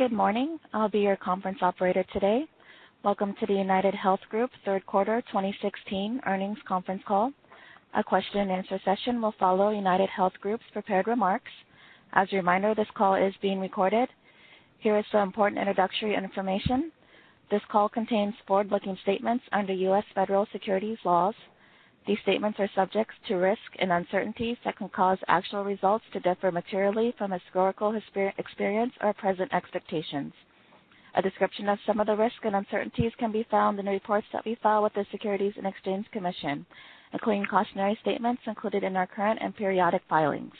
Good morning. I'll be your conference operator today. Welcome to the UnitedHealth Group third quarter 2016 earnings conference call. A question and answer session will follow UnitedHealth Group's prepared remarks. As a reminder, this call is being recorded. Here is some important introductory information. This call contains forward-looking statements under U.S. federal securities laws. These statements are subject to risks and uncertainties that can cause actual results to differ materially from historical experience or present expectations. A description of some of the risks and uncertainties can be found in the reports that we file with the Securities and Exchange Commission, including cautionary statements included in our current and periodic filings.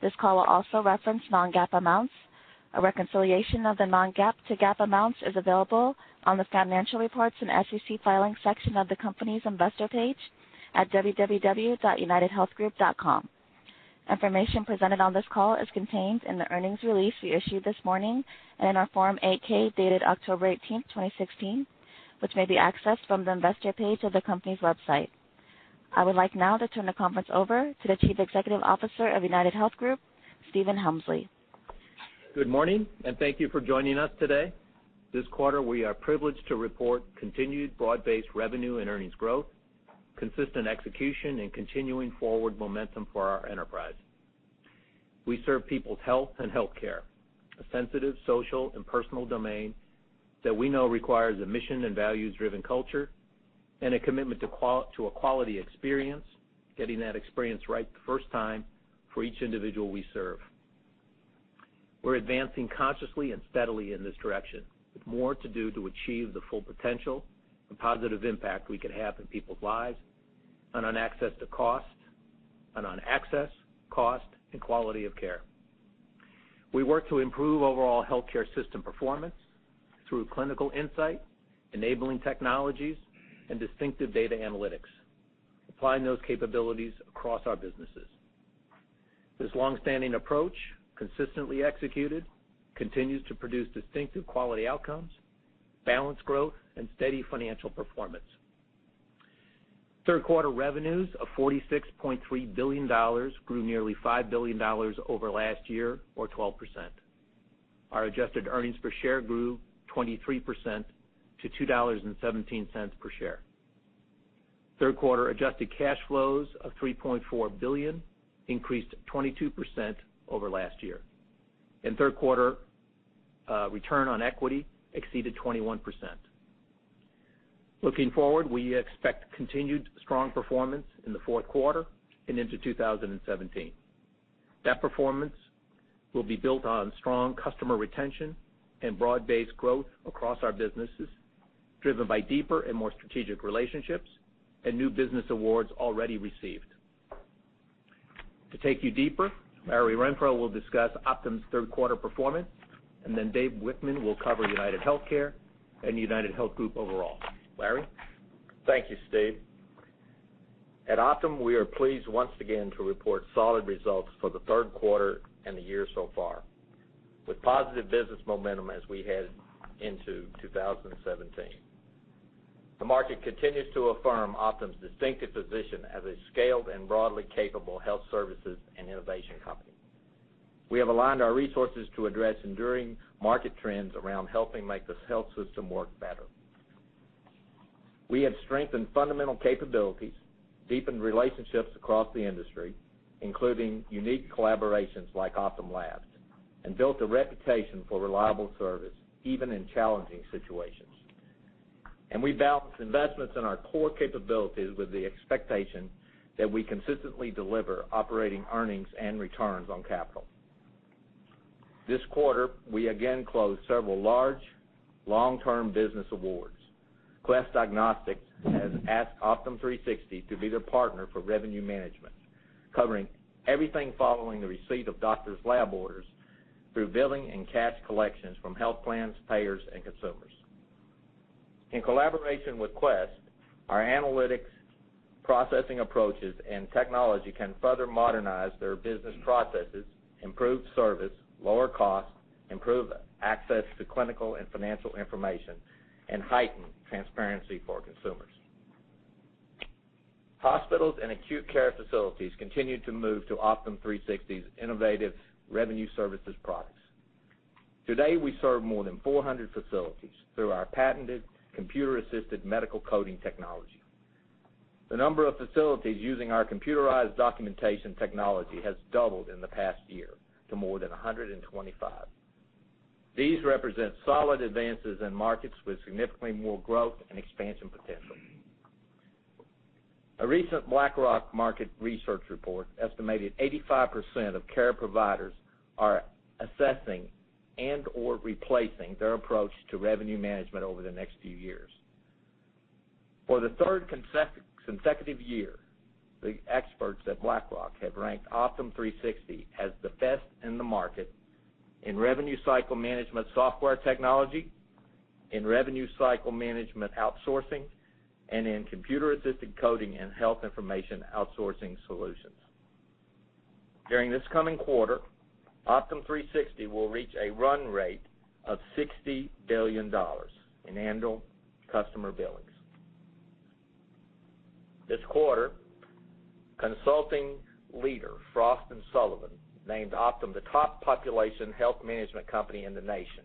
This call will also reference non-GAAP amounts. A reconciliation of the non-GAAP to GAAP amounts is available on the financial reports and SEC filings section of the company's investor page at www.unitedhealthgroup.com. Information presented on this call is contained in the earnings release we issued this morning and in our Form 8-K, dated October 18th, 2016, which may be accessed from the investor page of the company's website. I would like now to turn the conference over to the Chief Executive Officer of UnitedHealth Group, Stephen Hemsley. Good morning. Thank you for joining us today. This quarter, we are privileged to report continued broad-based revenue and earnings growth, consistent execution, and continuing forward momentum for our enterprise. We serve people's health and healthcare, a sensitive social and personal domain that we know requires a mission and values-driven culture and a commitment to a quality experience, getting that experience right the first time for each individual we serve. We're advancing consciously and steadily in this direction with more to do to achieve the full potential and positive impact we can have in people's lives and on access to cost and on access, cost, and quality of care. We work to improve overall healthcare system performance through clinical insight, enabling technologies, and distinctive data analytics, applying those capabilities across our businesses. This long-standing approach, consistently executed, continues to produce distinctive quality outcomes, balanced growth, and steady financial performance. Third quarter revenues of $46.3 billion grew nearly $5 billion over last year or 12%. Our adjusted earnings per share grew 23% to $2.17 per share. Third quarter adjusted cash flows of $3.4 billion increased 22% over last year. Third quarter return on equity exceeded 21%. Looking forward, we expect continued strong performance in the fourth quarter and into 2017. That performance will be built on strong customer retention and broad-based growth across our businesses, driven by deeper and more strategic relationships and new business awards already received. To take you deeper, Larry Renfro will discuss Optum's third quarter performance, and then Dave Wichmann will cover UnitedHealthcare and UnitedHealth Group overall. Larry? Thank you, Steve. At Optum, we are pleased once again to report solid results for the third quarter and the year so far, with positive business momentum as we head into 2017. The market continues to affirm Optum's distinctive position as a scaled and broadly capable health services and innovation company. We have aligned our resources to address enduring market trends around helping make the health system work better. We have strengthened fundamental capabilities, deepened relationships across the industry, including unique collaborations like Optum Labs, and built a reputation for reliable service, even in challenging situations. We balance investments in our core capabilities with the expectation that we consistently deliver operating earnings and returns on capital. This quarter, we again closed several large, long-term business awards. Quest Diagnostics has asked Optum360 to be their partner for revenue management, covering everything following the receipt of doctor's lab orders through billing and cash collections from health plans, payers, and consumers. In collaboration with Quest, our analytics processing approaches and technology can further modernize their business processes, improve service, lower costs, improve access to clinical and financial information, and heighten transparency for consumers. Hospitals and acute care facilities continue to move to Optum360's innovative revenue services products. Today, we serve more than 400 facilities through our patented computer-assisted medical coding technology. The number of facilities using our computerized documentation technology has doubled in the past year to more than 125. These represent solid advances in markets with significantly more growth and expansion potential. A recent Black Book market research report estimated 85% of care providers are assessing and/or replacing their approach to revenue management over the next few years. For the third consecutive year, the experts at Black Book have ranked Optum360 as the best in the market in revenue cycle management software technology, in revenue cycle management outsourcing, and in computer-assisted coding and health information outsourcing solutions. During this coming quarter, Optum360 will reach a run rate of $60 billion in annual customer billings. This quarter, consulting leader Frost & Sullivan named Optum the top population health management company in the nation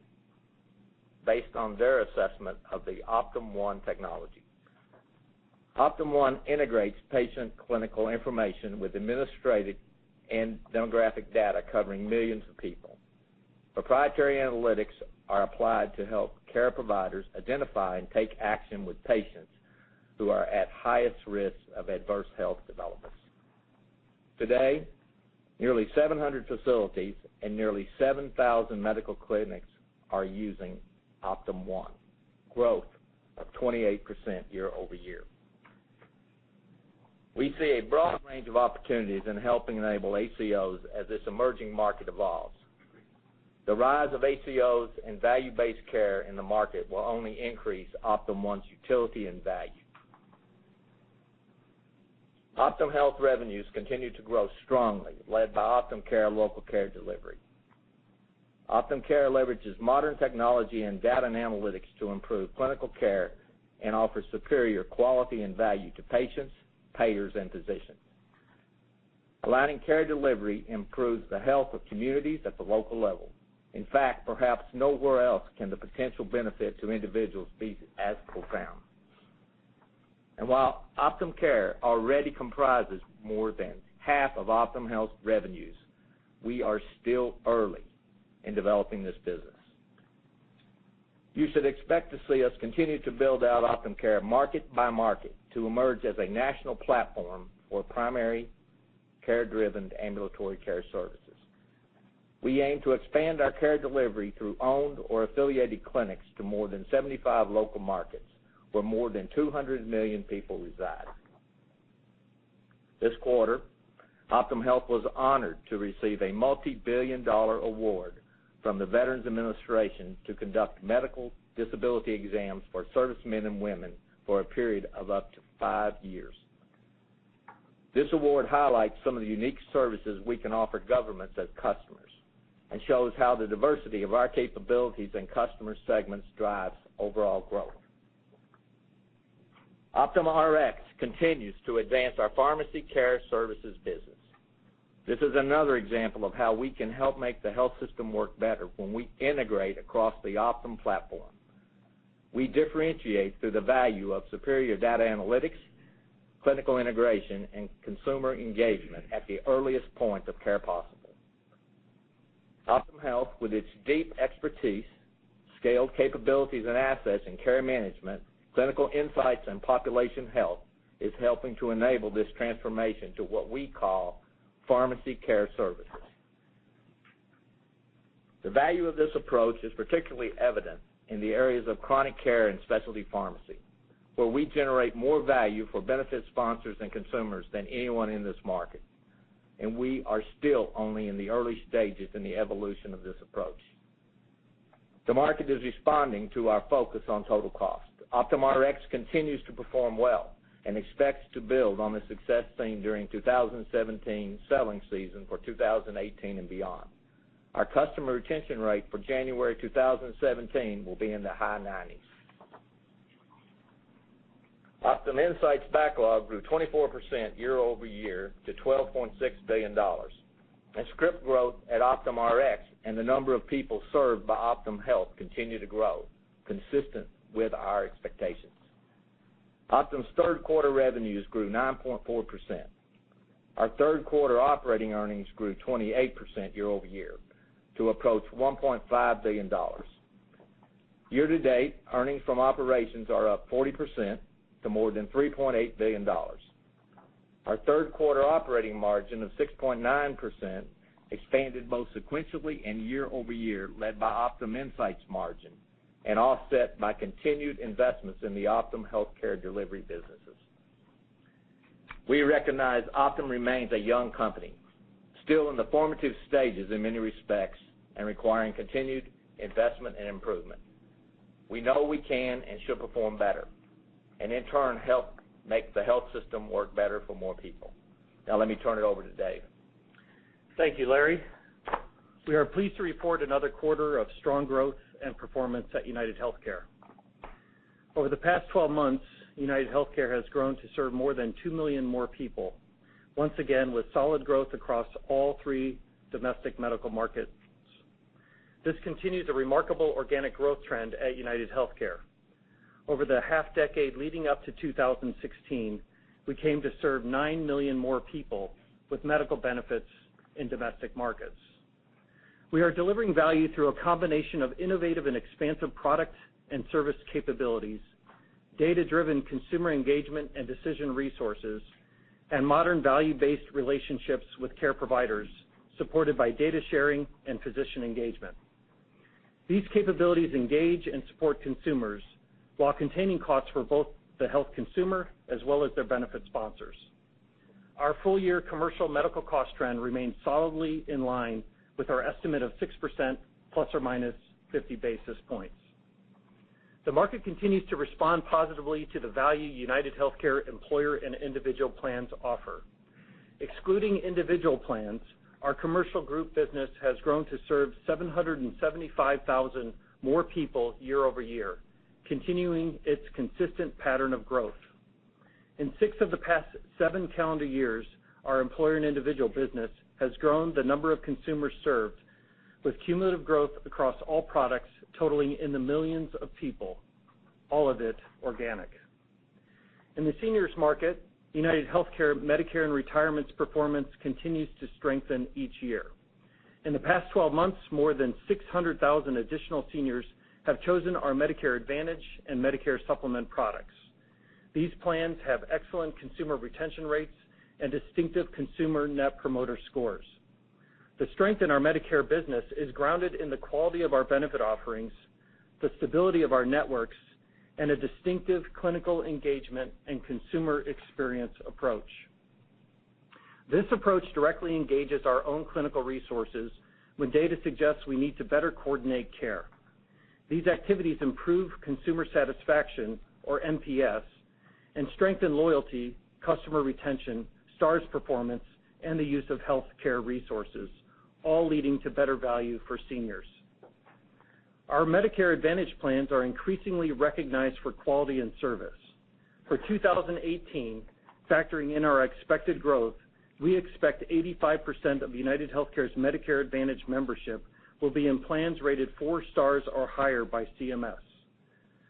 based on their assessment of the OptumOne technology. OptumOne integrates patient clinical information with administrative and demographic data covering millions of people. Proprietary analytics are applied to help care providers identify and take action with patients who are at highest risk of adverse health developments. Today, nearly 700 facilities and nearly 7,000 medical clinics are using OptumOne, growth of 28% year-over-year. We see a broad range of opportunities in helping enable ACOs as this emerging market evolves. The rise of ACOs and value-based care in the market will only increase OptumOne's utility and value. Optum Health revenues continue to grow strongly, led by Optum Care local care delivery. Optum Care leverages modern technology and data and analytics to improve clinical care and offer superior quality and value to patients, payers, and physicians. Aligning care delivery improves the health of communities at the local level. In fact, perhaps nowhere else can the potential benefit to individuals be as profound. While Optum Care already comprises more than half of Optum Health's revenues, we are still early in developing this business. You should expect to see us continue to build out Optum Care market by market to emerge as a national platform for primary care-driven ambulatory care services. We aim to expand our care delivery through owned or affiliated clinics to more than 75 local markets, where more than 200 million people reside. This quarter, Optum Health was honored to receive a multibillion-dollar award from the Veterans Administration to conduct medical disability exams for servicemen and women for a period of up to five years. This award highlights some of the unique services we can offer governments as customers and shows how the diversity of our capabilities and customer segments drives overall growth. Optum Rx continues to advance our pharmacy care services business. This is another example of how we can help make the health system work better when we integrate across the Optum platform. We differentiate through the value of superior data analytics, clinical integration, and consumer engagement at the earliest point of care possible. Optum Health, with its deep expertise, scaled capabilities and assets in care management, clinical insights, and population health, is helping to enable this transformation to what we call pharmacy care services. The value of this approach is particularly evident in the areas of chronic care and specialty pharmacy, where we generate more value for benefit sponsors and consumers than anyone in this market, and we are still only in the early stages in the evolution of this approach. The market is responding to our focus on total cost. Optum Rx continues to perform well and expects to build on the success seen during 2017 selling season for 2018 and beyond. Our customer retention rate for January 2017 will be in the high 90s. OptumInsight backlog grew 24% year-over-year to $12.6 billion. Script growth at Optum Rx and the number of people served by Optum Health continue to grow, consistent with our expectations. Optum's third quarter revenues grew 9.4%. Our third quarter operating earnings grew 28% year-over-year to approach $1.5 billion. Year-to-date, earnings from operations are up 40% to more than $3.8 billion. Our third quarter operating margin of 6.9% expanded both sequentially and year-over-year, led by OptumInsight margin and offset by continued investments in the Optum Health care delivery businesses. We recognize Optum remains a young company, still in the formative stages in many respects and requiring continued investment and improvement. We know we can and should perform better and, in turn, help make the health system work better for more people. Now let me turn it over to Dave. Thank you, Larry. We are pleased to report another quarter of strong growth and performance at UnitedHealthcare. Over the past 12 months, UnitedHealthcare has grown to serve more than two million more people, once again with solid growth across all three domestic medical markets. This continues a remarkable organic growth trend at UnitedHealthcare. Over the half-decade leading up to 2016, we came to serve nine million more people with medical benefits in domestic markets. We are delivering value through a combination of innovative and expansive product and service capabilities, data-driven consumer engagement and decision resources, and modern value-based relationships with care providers, supported by data sharing and physician engagement. These capabilities engage and support consumers while containing costs for both the health consumer as well as their benefit sponsors. Our full-year commercial medical cost trend remains solidly in line with our estimate of 6%, plus or minus 50 basis points. The market continues to respond positively to the value UnitedHealthcare employer and individual plans offer. Excluding individual plans, our commercial group business has grown to serve 775,000 more people year-over-year, continuing its consistent pattern of growth. In six of the past seven calendar years, our employer and individual business has grown the number of consumers served with cumulative growth across all products totaling in the millions of people, all of it organic. In the seniors market, UnitedHealthcare Medicare and Retirement's performance continues to strengthen each year. In the past 12 months, more than 600,000 additional seniors have chosen our Medicare Advantage and Medicare Supplement products. These plans have excellent consumer retention rates and distinctive consumer net promoter scores. The strength in our Medicare business is grounded in the quality of our benefit offerings, the stability of our networks, and a distinctive clinical engagement and consumer experience approach. This approach directly engages our own clinical resources when data suggests we need to better coordinate care. These activities improve consumer satisfaction or NPS and strengthen loyalty, customer retention, Stars performance, and the use of healthcare resources, all leading to better value for seniors. Our Medicare Advantage plans are increasingly recognized for quality and service. For 2018, factoring in our expected growth, we expect 85% of UnitedHealthcare's Medicare Advantage membership will be in plans rated four Stars or higher by CMS.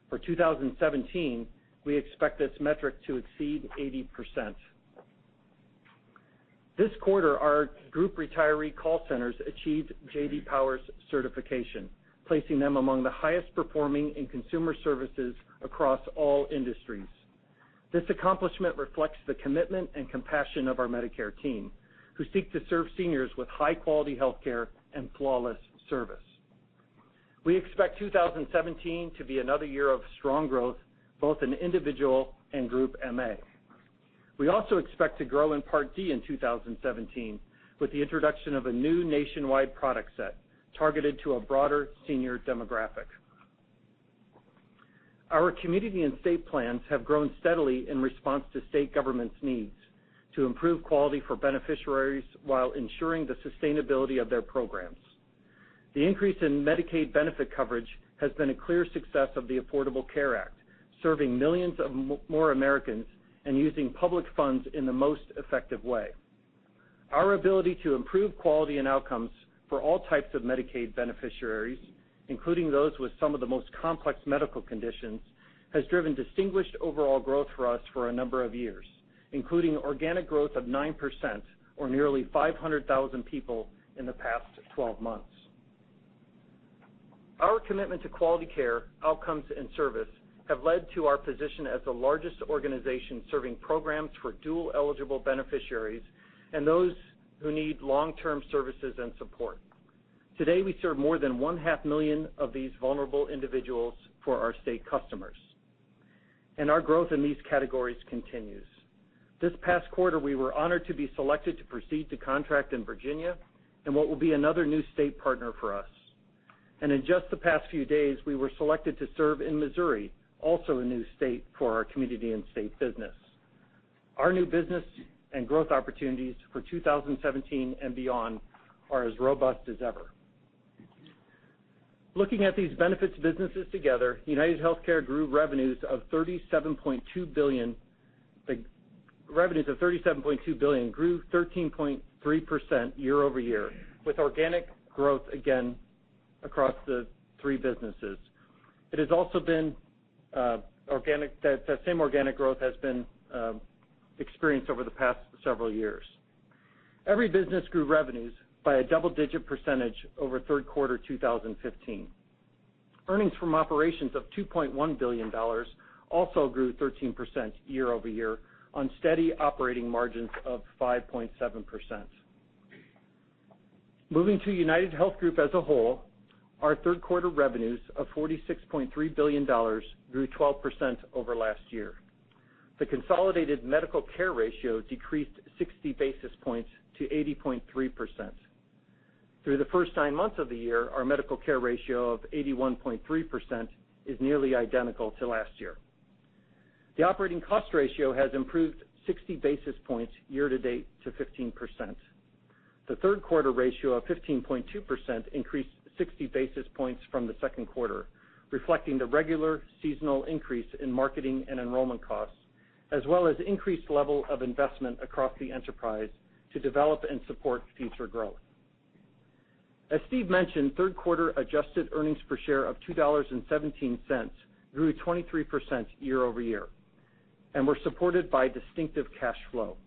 For 2017, we expect this metric to exceed 80%. This quarter, our group retiree call centers achieved J.D. Power's certification, placing them among the highest performing in consumer services across all industries. This accomplishment reflects the commitment and compassion of our Medicare team, who seek to serve seniors with high-quality healthcare and flawless service. We expect 2017 to be another year of strong growth, both in individual and group MA. We also expect to grow in Part D in 2017 with the introduction of a new nationwide product set targeted to a broader senior demographic. Our community and state plans have grown steadily in response to state governments' needs to improve quality for beneficiaries while ensuring the sustainability of their programs. The increase in Medicaid benefit coverage has been a clear success of the Affordable Care Act, serving millions of more Americans and using public funds in the most effective way. Our ability to improve quality and outcomes for all types of Medicaid beneficiaries, including those with some of the most complex medical conditions, has driven distinguished overall growth for us for a number of years, including organic growth of 9% or nearly 500,000 people in the past 12 months. Our commitment to quality care, outcomes, and service have led to our position as the largest organization serving programs for dual-eligible beneficiaries and those who need long-term services and support. Today, we serve more than one-half million of these vulnerable individuals for our state customers. Our growth in these categories continues. This past quarter, we were honored to be selected to proceed to contract in Virginia in what will be another new state partner for us. In just the past few days, we were selected to serve in Missouri, also a new state for our community and state business. Our new business and growth opportunities for 2017 and beyond are as robust as ever. Looking at these benefits businesses together, UnitedHealthcare grew revenues of $37.2 billion grew 13.3% year-over-year with organic growth again across the three businesses. That same organic growth has been experienced over the past several years. Every business grew revenues by a double-digit percentage over third quarter 2015. Earnings from operations of $2.1 billion also grew 13% year-over-year on steady operating margins of 5.7%. Moving to UnitedHealth Group as a whole, our third quarter revenues of $46.3 billion grew 12% over last year. The consolidated medical care ratio decreased 60 basis points to 80.3%. Through the first nine months of the year, our medical care ratio of 81.3% is nearly identical to last year. The operating cost ratio has improved 60 basis points year-to-date to 15%. The third quarter ratio of 15.2% increased 60 basis points from the second quarter, reflecting the regular seasonal increase in marketing and enrollment costs, as well as increased level of investment across the enterprise to develop and support future growth. As Steve mentioned, third quarter adjusted earnings per share of $2.17 grew 23% year-over-year and were supported by distinctive cash flow.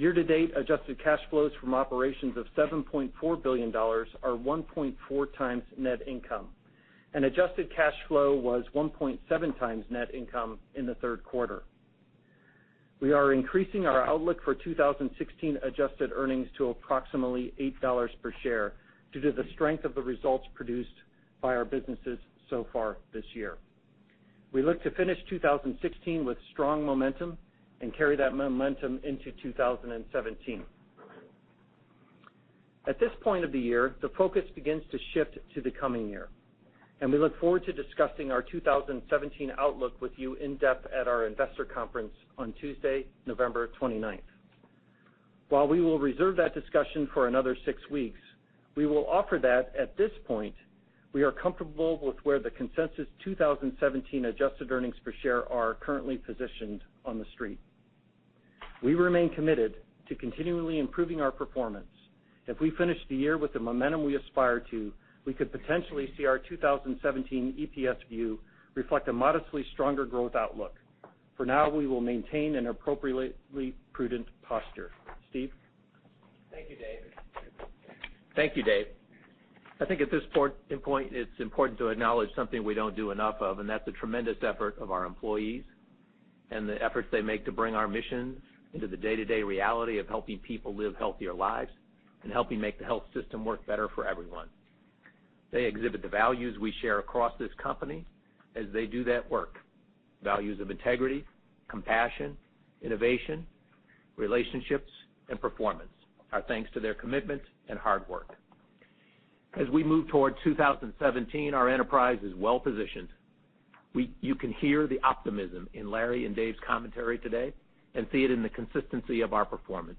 Year-to-date, adjusted cash flows from operations of $7.4 billion are 1.4 times net income, and adjusted cash flow was 1.7 times net income in the third quarter. We are increasing our outlook for 2016 adjusted earnings to approximately $8 per share due to the strength of the results produced by our businesses so far this year. We look to finish 2016 with strong momentum and carry that momentum into 2017. At this point of the year, the focus begins to shift to the coming year, and we look forward to discussing our 2017 outlook with you in depth at our investor conference on Tuesday, November 29th. While we will reserve that discussion for another six weeks, we will offer that at this point, we are comfortable with where the consensus 2017 adjusted earnings per share are currently positioned on the street. We remain committed to continually improving our performance. If we finish the year with the momentum we aspire to, we could potentially see our 2017 EPS view reflect a modestly stronger growth outlook. For now, we will maintain an appropriately prudent posture. Steve? Thank you, Dave. I think at this important point, it's important to acknowledge something we don't do enough of, and that's the tremendous effort of our employees and the efforts they make to bring our missions into the day-to-day reality of helping people live healthier lives and helping make the health system work better for everyone. They exhibit the values we share across this company as they do that work. Values of integrity, compassion, innovation, relationships, and performance. Our thanks to their commitment and hard work. As we move toward 2017, our enterprise is well-positioned. You can hear the optimism in Larry and Dave's commentary today and see it in the consistency of our performance.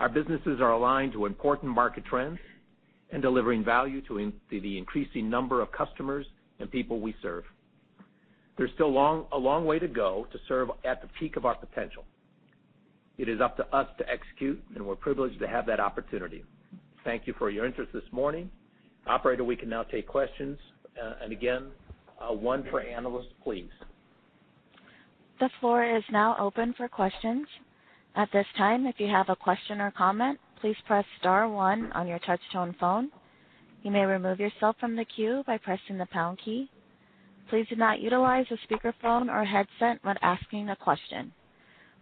Our businesses are aligned to important market trends and delivering value to the increasing number of customers and people we serve. There's still a long way to go to serve at the peak of our potential. It is up to us to execute. We're privileged to have that opportunity. Thank you for your interest this morning. Operator, we can now take questions. Again, one per analyst, please. The floor is now open for questions. At this time, if you have a question or comment, please press star one on your touch-tone phone. You may remove yourself from the queue by pressing the pound key. Please do not utilize a speakerphone or headset when asking a question.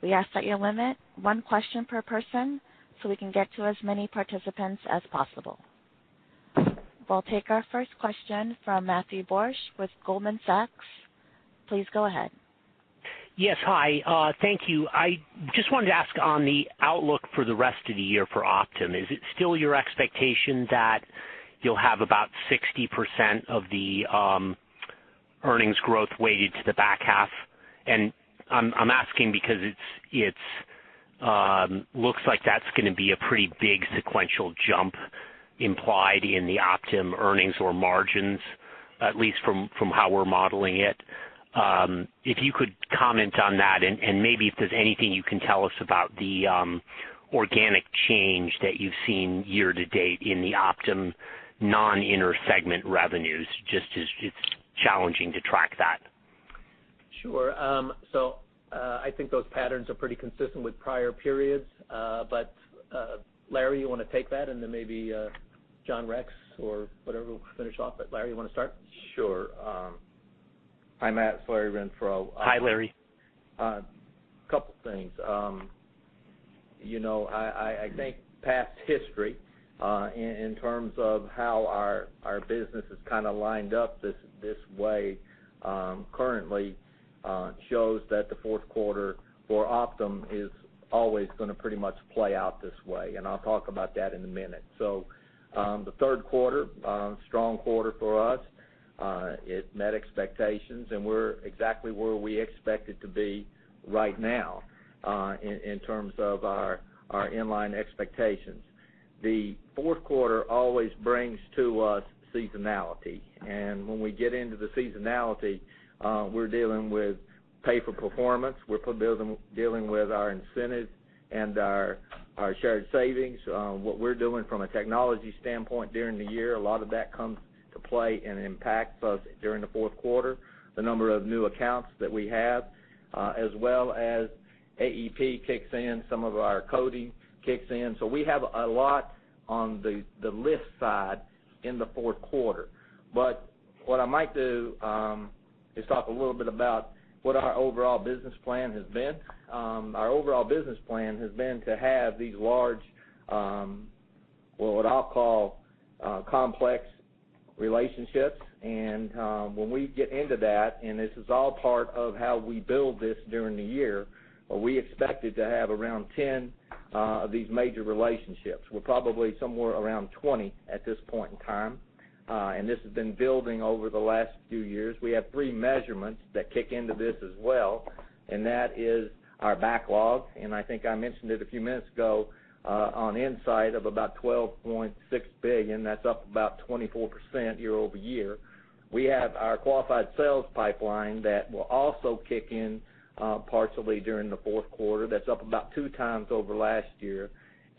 We ask that you limit one question per person so we can get to as many participants as possible. We'll take our first question from Matthew Borsch with Goldman Sachs. Please go ahead. Yes, hi. Thank you. I just wanted to ask on the outlook for the rest of the year for Optum, is it still your expectation that you'll have about 60% of the earnings growth weighted to the back half? I'm asking because it looks like that's going to be a pretty big sequential jump implied in the Optum earnings or margins, at least from how we're modeling it. If you could comment on that and maybe if there's anything you can tell us about the organic change that you've seen year to date in the Optum non-intersegment revenues, just as it's challenging to track that. Sure. I think those patterns are pretty consistent with prior periods. Larry, you want to take that and then maybe John Rex or whatever will finish off. Larry, you want to start? Sure. Hi, Matt. It's Larry Renfro. Hi, Larry. A couple of things. I think past history, in terms of how our business is kind of lined up this way currently, shows that the fourth quarter for Optum is always going to pretty much play out this way, and I'll talk about that in a minute. The third quarter, strong quarter for us. It met expectations, and we're exactly where we expected to be right now in terms of our inline expectations. The fourth quarter always brings to us seasonality. When we get into the seasonality, we're dealing with pay for performance. We're dealing with our incentives and our shared savings. What we're doing from a technology standpoint during the year, a lot of that comes to play and impacts us during the fourth quarter. The number of new accounts that we have, as well as AEP kicks in, some of our coding kicks in. We have a lot on the list side in the fourth quarter. What I might do is talk a little bit about what our overall business plan has been. Our overall business plan has been to have these large, what I'll call complex relationships. When we get into that, and this is all part of how we build this during the year, we expected to have around 10 of these major relationships. We're probably somewhere around 20 at this point in time. This has been building over the last few years. We have three measurements that kick into this as well, and that is our backlog, and I think I mentioned it a few minutes ago, on Insight of about $12.6 billion. That's up about 24% year-over-year. We have our qualified sales pipeline that will also kick in partially during the fourth quarter. That's up about two times over last year.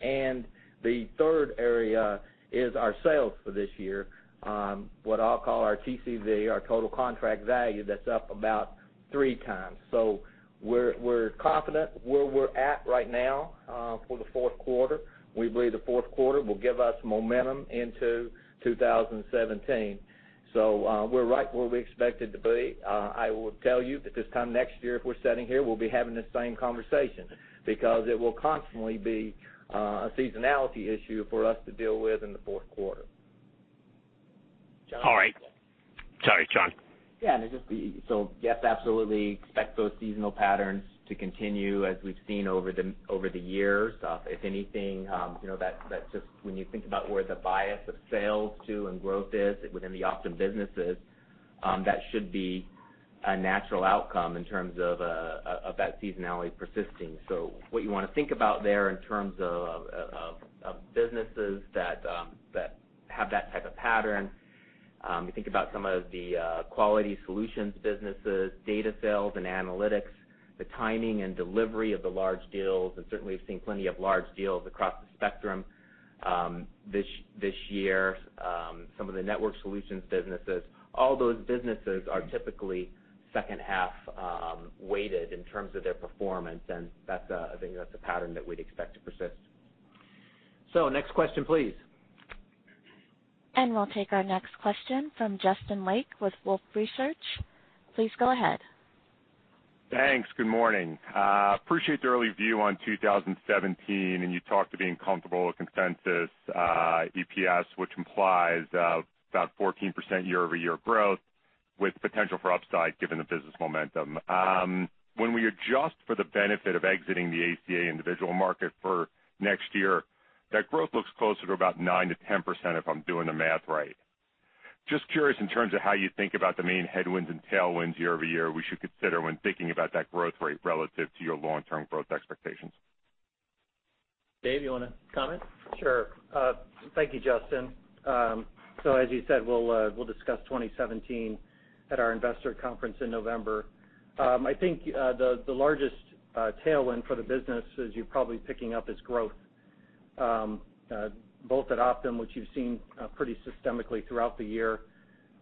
The third area is our sales for this year, what I'll call our TCV, our total contract value, that's up about three times. We're confident where we're at right now for the fourth quarter. We believe the fourth quarter will give us momentum into 2017. We're right where we expected to be. I will tell you that this time next year, if we're sitting here, we'll be having this same conversation because it will constantly be a seasonality issue for us to deal with in the fourth quarter. All right. Sorry, John. Yes, absolutely expect those seasonal patterns to continue as we've seen over the years. If anything, that's just when you think about where the bias of sales to and growth is within the Optum businesses, that should be a natural outcome in terms of that seasonality persisting. What you want to think about there in terms of businesses that have that type of pattern, you think about some of the quality solutions businesses, data sales, and analytics, the timing and delivery of the large deals, and certainly we've seen plenty of large deals across the spectrum this year. Some of the network solutions businesses, all those businesses are typically second-half weighted in terms of their performance, and I think that's a pattern that we'd expect to persist. Next question, please. We'll take our next question from Justin Lake with Wolfe Research. Please go ahead. Thanks. Good morning. Appreciate the early view on 2017, and you talked to being comfortable with consensus EPS, which implies about 14% year-over-year growth with potential for upside, given the business momentum. When we adjust for the benefit of exiting the ACA individual market for next year, that growth looks closer to about 9%-10%, if I'm doing the math right. Just curious in terms of how you think about the main headwinds and tailwinds year-over-year we should consider when thinking about that growth rate relative to your long-term growth expectations. Dave, you want to comment? Sure. Thank you, Justin. As you said, we'll discuss 2017 at our investor conference in November. I think the largest tailwind for the business, as you're probably picking up, is growth, both at Optum, which you've seen pretty systemically throughout the year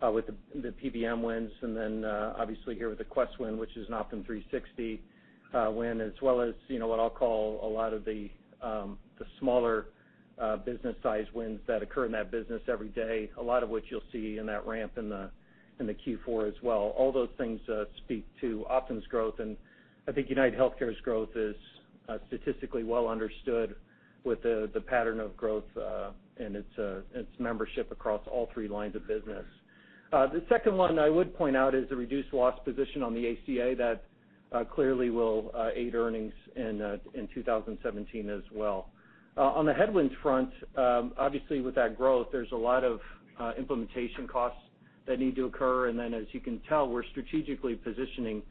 with the PBM wins, and then obviously here with the Quest win, which is an Optum360 win, as well as what I'll call a lot of the smaller business size wins that occur in that business every day, a lot of which you'll see in that ramp in the Q4 as well. All those things speak to Optum's growth, and I think UnitedHealthcare's growth is statistically well understood with the pattern of growth in its membership across all three lines of business. The second one I would point out is the reduced loss position on the ACA that clearly will aid earnings in 2017 as well. On the headwinds front, obviously with that growth, there's a lot of implementation costs that need to occur. As you can tell, we're strategically positioning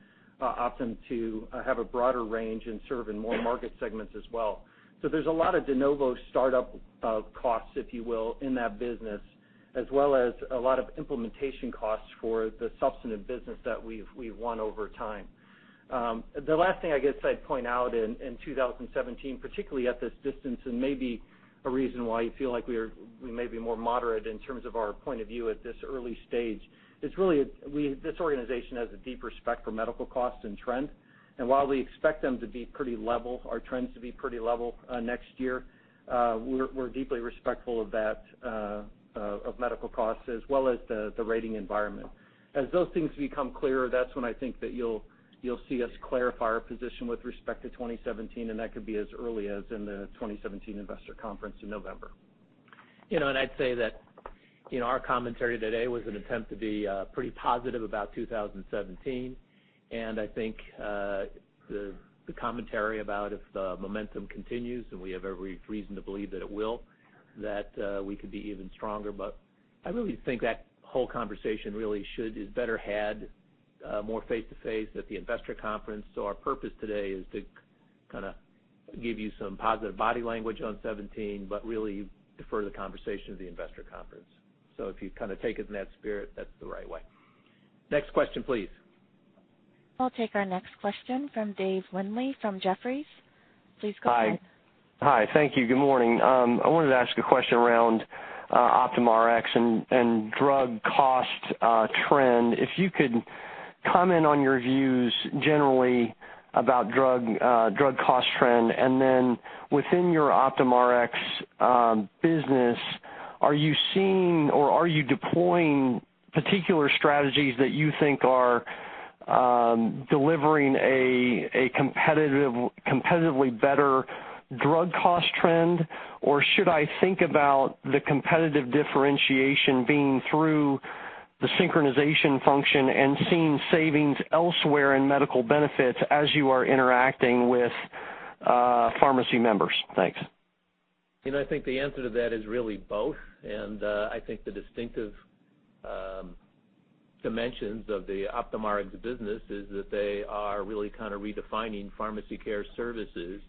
Optum to have a broader range and serve in more market segments as well. There's a lot of de novo startup costs, if you will, in that business, as well as a lot of implementation costs for the substantive business that we've won over time. The last thing I guess I'd point out in 2017, particularly at this distance, maybe a reason why you feel like we may be more moderate in terms of our point of view at this early stage, is really this organization has a deep respect for medical costs and trends. While we expect them to be pretty level, our trends to be pretty level next year, we're deeply respectful of medical costs as well as the rating environment. As those things become clearer, that's when I think that you'll see us clarify our position with respect to 2017. That could be as early as in the 2017 investor conference in November. I'd say that our commentary today was an attempt to be pretty positive about 2017. I think the commentary about if the momentum continues, we have every reason to believe that it will, that we could be even stronger. I really think that whole conversation really is better had more face-to-face at the investor conference. Our purpose today is to give you some positive body language on '17, but really defer the conversation to the investor conference. If you take us in that spirit, that's the right way. Next question, please. I'll take our next question from Dave Windley from Jefferies. Please go ahead. Hi. Thank you. Good morning. I wanted to ask a question around Optum Rx and drug cost trend. If you could comment on your views generally about drug cost trend, and then within your Optum Rx business, are you seeing or are you deploying particular strategies that you think are delivering a competitively better drug cost trend? Or should I think about the competitive differentiation being through the synchronization function and seeing savings elsewhere in medical benefits as you are interacting with pharmacy members? Thanks. I think the answer to that is really both, I think the distinctive dimensions of the Optum Rx business is that they are really redefining pharmacy care services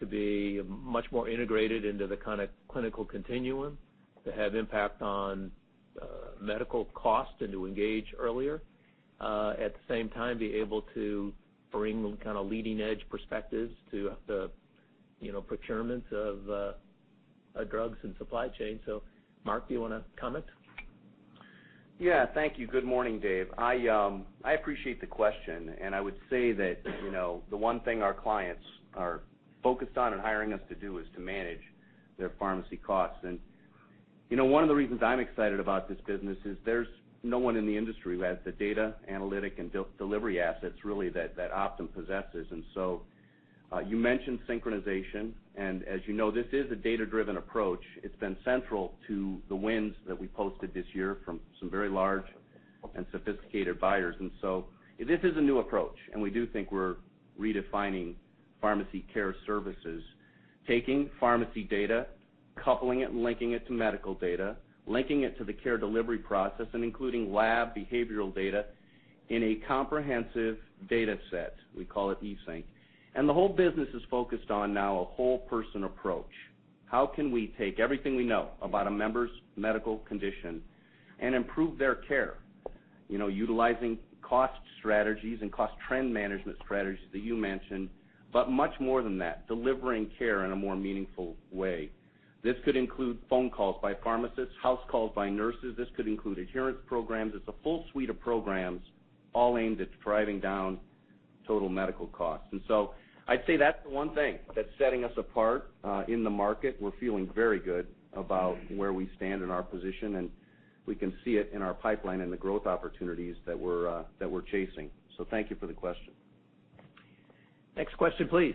to be much more integrated into the clinical continuum, to have impact on medical costs and to engage earlier. At the same time, be able to bring leading-edge perspectives to the procurements of drugs and supply chain. Mark, do you want to comment? Yeah. Thank you. Good morning, Dave. I appreciate the question, I would say that the one thing our clients are focused on and hiring us to do is to manage their pharmacy costs. One of the reasons I'm excited about this business is there's no one in the industry who has the data analytic and delivery assets really that Optum possesses. You mentioned synchronization, as you know, this is a data-driven approach. It's been central to the wins that we posted this year from some very large and sophisticated buyers. This is a new approach, we do think we're redefining pharmacy care services, taking pharmacy data, coupling it, and linking it to medical data, linking it to the care delivery process, and including lab behavioral data in a comprehensive data set. We call it eSync. The whole business is focused on now a whole person approach. How can we take everything we know about a member's medical condition and improve their care? Utilizing cost strategies and cost trend management strategies that you mentioned, but much more than that, delivering care in a more meaningful way. This could include phone calls by pharmacists, house calls by nurses. This could include adherence programs. It's a full suite of programs all aimed at driving down total medical costs. I'd say that's the one thing that's setting us apart in the market. We're feeling very good about where we stand in our position, and we can see it in our pipeline and the growth opportunities that we're chasing. Thank you for the question. Next question, please.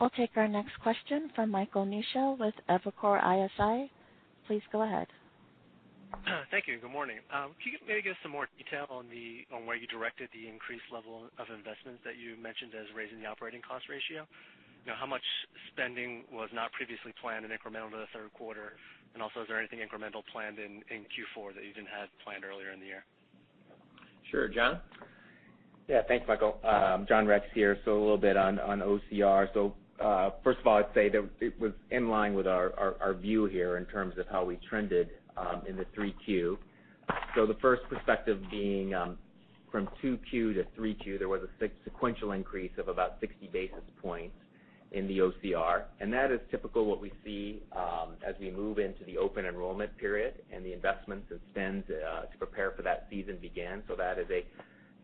We'll take our next question from Michael Newshel with Evercore ISI. Please go ahead. Thank you. Good morning. Could you maybe give some more detail on where you directed the increased level of investments that you mentioned as raising the operating cost ratio? How much spending was not previously planned and incremental to the third quarter? Also, is there anything incremental planned in Q4 that you didn't have planned earlier in the year? Sure. John? Thanks, Michael. John Rex here. A little bit on OCR. First of all, I'd say that it was in line with our view here in terms of how we trended in the Q3. The first perspective being from Q2 to Q3, there was a sequential increase of about 60 basis points in the OCR, and that is typical what we see as we move into the open enrollment period and the investments and spends to prepare for that season begin. That is a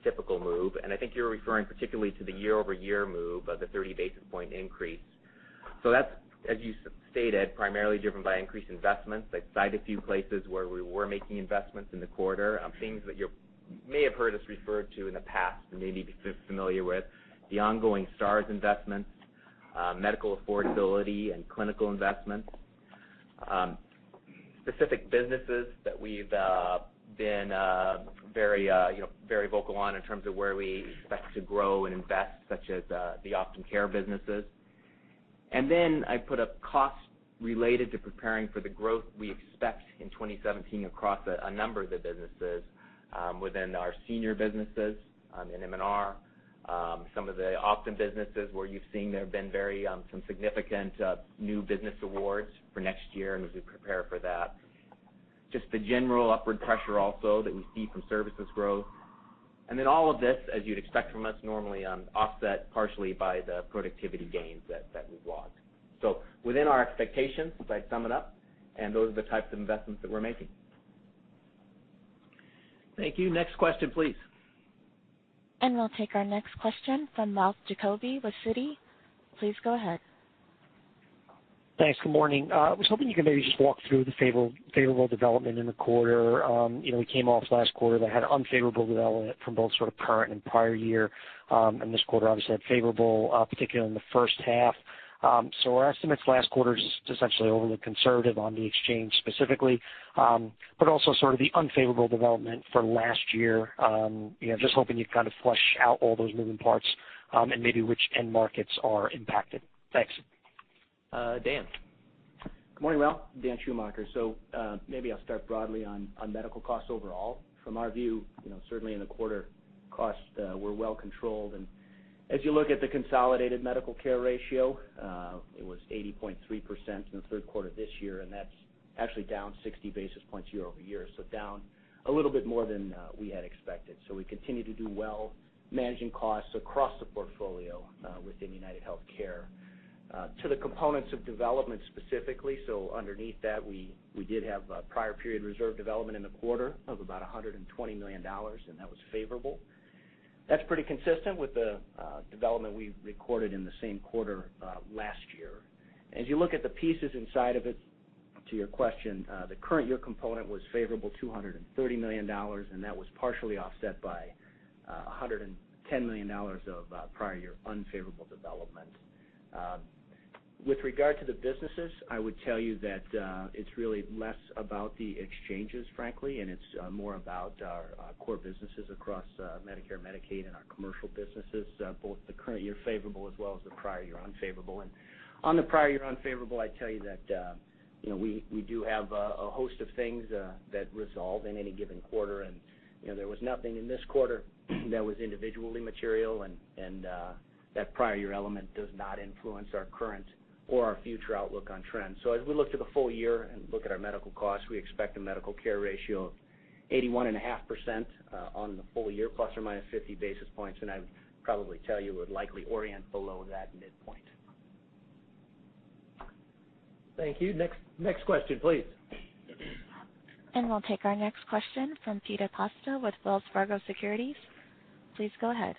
typical move. I think you're referring particularly to the year-over-year move of the 30 basis point increase. That's, as you stated, primarily driven by increased investments. I cited a few places where we were making investments in the quarter. Things that you may have heard us refer to in the past and may be familiar with, the ongoing Stars investments, medical affordability, and clinical investments. Specific businesses that we've been very vocal on in terms of where we expect to grow and invest, such as the Optum Care businesses. I put up costs related to preparing for the growth we expect in 2017 across a number of the businesses within our senior businesses in M&R. Some of the Optum businesses where you've seen there have been some significant new business awards for next year and as we prepare for that. Just the general upward pressure also that we see from services growth. All of this, as you'd expect from us normally, offset partially by the productivity gains that we've logged. Within our expectations, if I sum it up, those are the types of investments that we're making. Thank you. Next question, please. We'll take our next question from Ralph Giacobbe with Citi. Please go ahead. Thanks. Good morning. I was hoping you could maybe just walk through the favorable development in the quarter. We came off last quarter that had unfavorable development from both sort of current and prior year. This quarter obviously had favorable, particularly in the first half. Our estimates last quarter is essentially overly conservative on the exchange specifically. Also sort of the unfavorable development for last year. Just hoping you'd kind of flesh out all those moving parts and maybe which end markets are impacted. Thanks. Dan. Good morning, Ralph. Dan Schumacher. Maybe I'll start broadly on medical costs overall. From our view, certainly in the quarter, costs were well controlled, and as you look at the consolidated medical care ratio, it was 80.3% in the third quarter this year, and that's actually down 60 basis points year-over-year, down a little bit more than we had expected. We continue to do well managing costs across the portfolio within UnitedHealthcare. To the components of development specifically, underneath that, we did have a prior period reserve development in the quarter of about $120 million, and that was favorable. That's pretty consistent with the development we recorded in the same quarter last year. As you look at the pieces inside of it, to your question, the current year component was favorable, $230 million, and that was partially offset by $110 million of prior year unfavorable development. With regard to the businesses, I would tell you that it's really less about the exchanges, frankly, and it's more about our core businesses across Medicare, Medicaid, and our commercial businesses, both the current year favorable as well as the prior year unfavorable. On the prior year unfavorable, I'd tell you that we do have a host of things that resolve in any given quarter, and there was nothing in this quarter that was individually material, and that prior year element does not influence our current or our future outlook on trends. As we look to the full year and look at our medical costs, we expect a medical care ratio of 81.5% on the full year, ±50 basis points, and I would probably tell you would likely orient below that midpoint. Thank you. Next question, please. We'll take our next question from Peter Costa with Wells Fargo Securities. Please go ahead.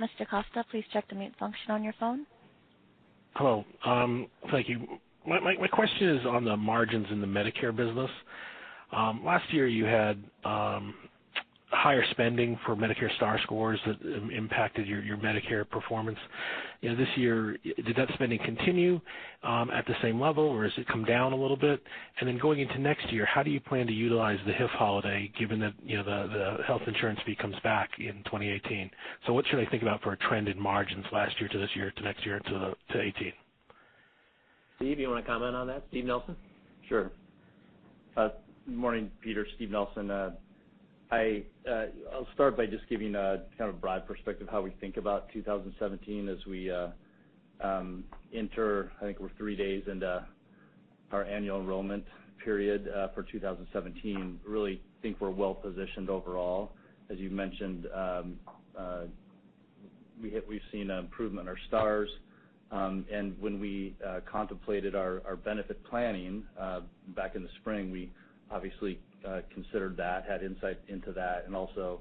Mr. Costa, please check the mute function on your phone. Hello. Thank you. My question is on the margins in the Medicare business. Last year, you had higher spending for Medicare Stars that impacted your Medicare performance. This year, did that spending continue at the same level, or has it come down a little bit? Then going into next year, how do you plan to utilize the HIF holiday, given that the health insurance fee comes back in 2018? What should I think about for a trend in margins last year to this year to next year to 2018? Steve, you want to comment on that? Steve Nelson? Sure. Morning, Peter. Steve Nelson. I'll start by just giving a kind of broad perspective how we think about 2017 as we enter, I think we're three days into our annual enrollment period for 2017. Really think we're well-positioned overall. As you mentioned, we've seen an improvement in our Stars. When we contemplated our benefit planning back in the spring, we obviously considered that, had insight into that, and also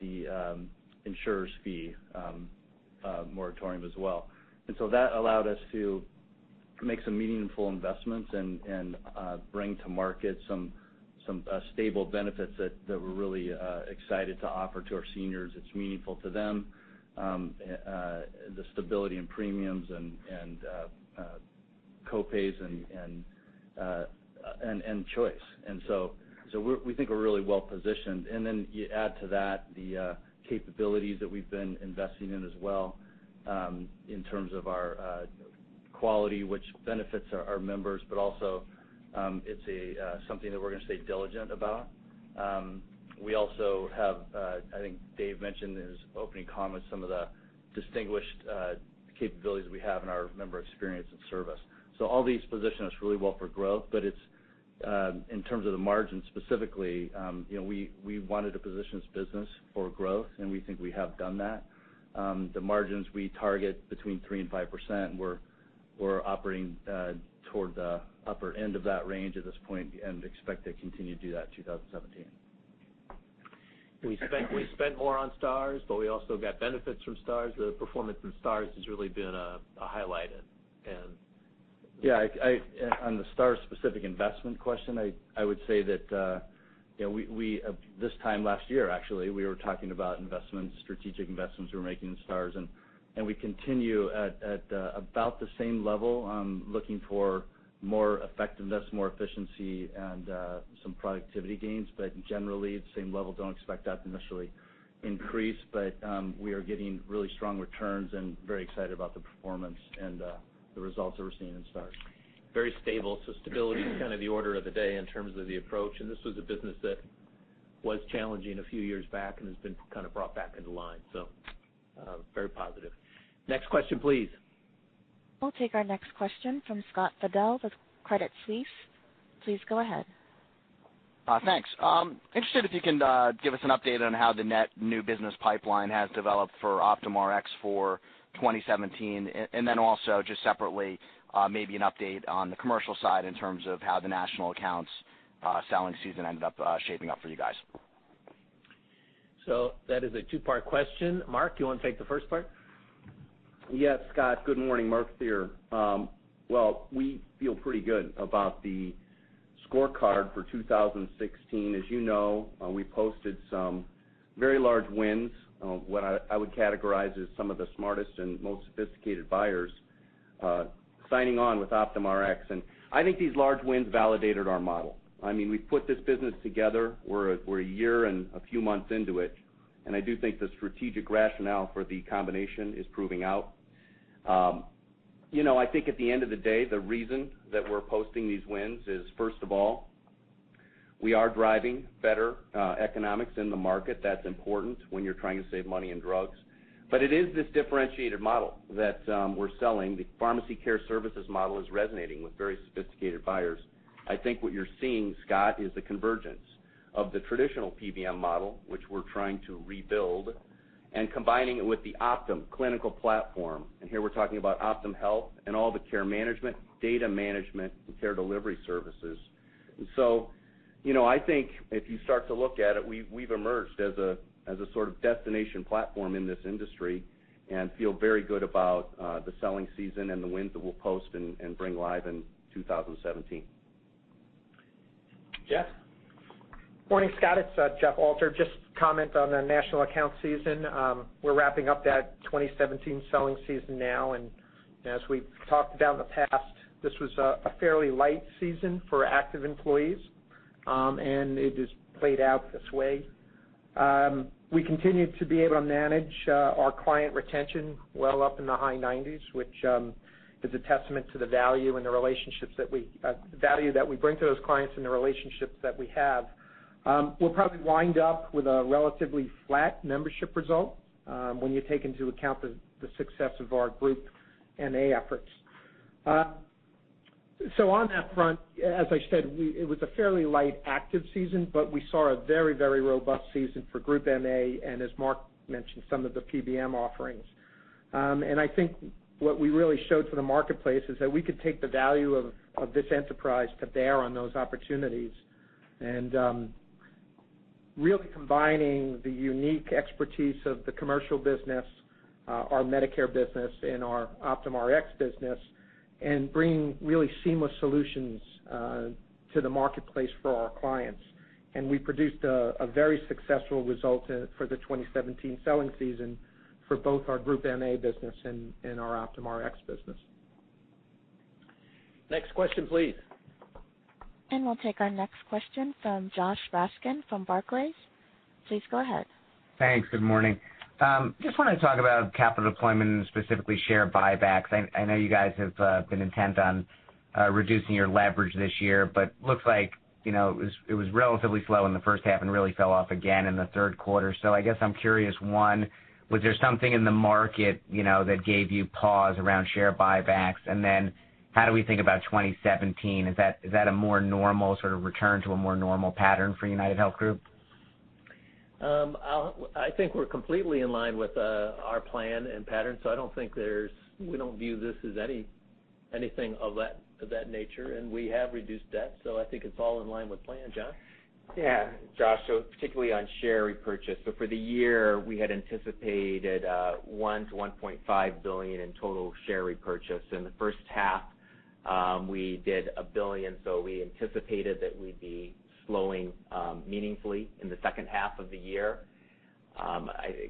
the insurer's fee moratorium as well. That allowed us to make some meaningful investments and bring to market some stable benefits that we're really excited to offer to our seniors. It's meaningful to them, the stability in premiums and co-pays and choice. We think we're really well-positioned. You add to that the capabilities that we've been investing in as well, in terms of our quality, which benefits our members, but also it's something that we're going to stay diligent about. We also have, I think Dave mentioned in his opening comments, some of the distinguished capabilities we have in our member experience and service. All these position us really well for growth, but in terms of the margin specifically, we wanted to position this business for growth, and we think we have done that. The margins we target between 3% and 5%, we're operating toward the upper end of that range at this point and expect to continue to do that in 2017. We spent more on Stars, but we also got benefits from Stars. The performance from Stars has really been a highlight. On the Stars specific investment question, I would say that this time last year, actually, we were talking about investments, strategic investments we were making in Stars, and we continue at about the same level, looking for more effectiveness, more efficiency, and some productivity gains. Generally, at the same level, don't expect that to initially increase. We are getting really strong returns and very excited about the performance and the results that we're seeing in Stars. Very stable. Stability is kind of the order of the day in terms of the approach, this was a business that was challenging a few years back and has been kind of brought back into line. Very positive. Next question, please. We'll take our next question from Scott Fidel with Credit Suisse. Please go ahead. Thanks. Interested if you can give us an update on how the net new business pipeline has developed for Optum Rx for 2017, then also just separately, maybe an update on the commercial side in terms of how the national accounts selling season ended up shaping up for you guys. That is a two-part question. Mark, you want to take the first part? Yes, Scott, good morning. Mark Thierer. Well, we feel pretty good about the scorecard for 2016. As you know, we posted some very large wins, what I would categorize as some of the smartest and most sophisticated buyers signing on with Optum Rx. I think these large wins validated our model. We put this business together, we're a year and a few months into it, and I do think the strategic rationale for the combination is proving out. I think at the end of the day, the reason that we're posting these wins is, first of all, we are driving better economics in the market. That's important when you're trying to save money on drugs. It is this differentiated model that we're selling. The pharmacy care services model is resonating with very sophisticated buyers. I think what you're seeing, Scott, is the convergence of the traditional PBM model, which we're trying to rebuild, combining it with the Optum clinical platform. Here we're talking about Optum Health and all the care management, data management, and care delivery services. I think if you start to look at it, we've emerged as a sort of destination platform in this industry and feel very good about the selling season and the wins that we'll post and bring live in 2017. Jeff? Morning, Scott. It's Jeff Alter. Just comment on the national account season. We're wrapping up that 2017 selling season now. As we've talked about in the past, this was a fairly light season for active employees. It has played out this way. We continue to be able to manage our client retention well up in the high 90s, which is a testament to the value that we bring to those clients and the relationships that we have. We'll probably wind up with a relatively flat membership result when you take into account the success of our group NA efforts. On that front, as I said, it was a fairly light active season, we saw a very, very robust season for group NA, as Mark mentioned, some of the PBM offerings I think what we really showed to the marketplace is that we could take the value of this enterprise to bear on those opportunities. Really combining the unique expertise of the commercial business, our Medicare business, and our Optum Rx business, and bringing really seamless solutions to the marketplace for our clients. We produced a very successful result for the 2017 selling season for both our group MA business and our Optum Rx business. Next question, please. We'll take our next question from Josh Raskin from Barclays. Please go ahead. Thanks. Good morning. Just want to talk about capital deployment and specifically share buybacks. I know you guys have been intent on reducing your leverage this year, looks like it was relatively slow in the first half and really fell off again in the third quarter. I guess I'm curious, one, was there something in the market that gave you pause around share buybacks? Then how do we think about 2017? Is that a more normal sort of return to a more normal pattern for UnitedHealth Group? I think we're completely in line with our plan and pattern. We don't view this as anything of that nature. We have reduced debt. I think it's all in line with plan. John? Yeah, Josh, particularly on share repurchase. For the year, we had anticipated $1 billion-$1.5 billion in total share repurchase. In the first half, we did $1 billion. We anticipated that we'd be slowing meaningfully in the second half of the year.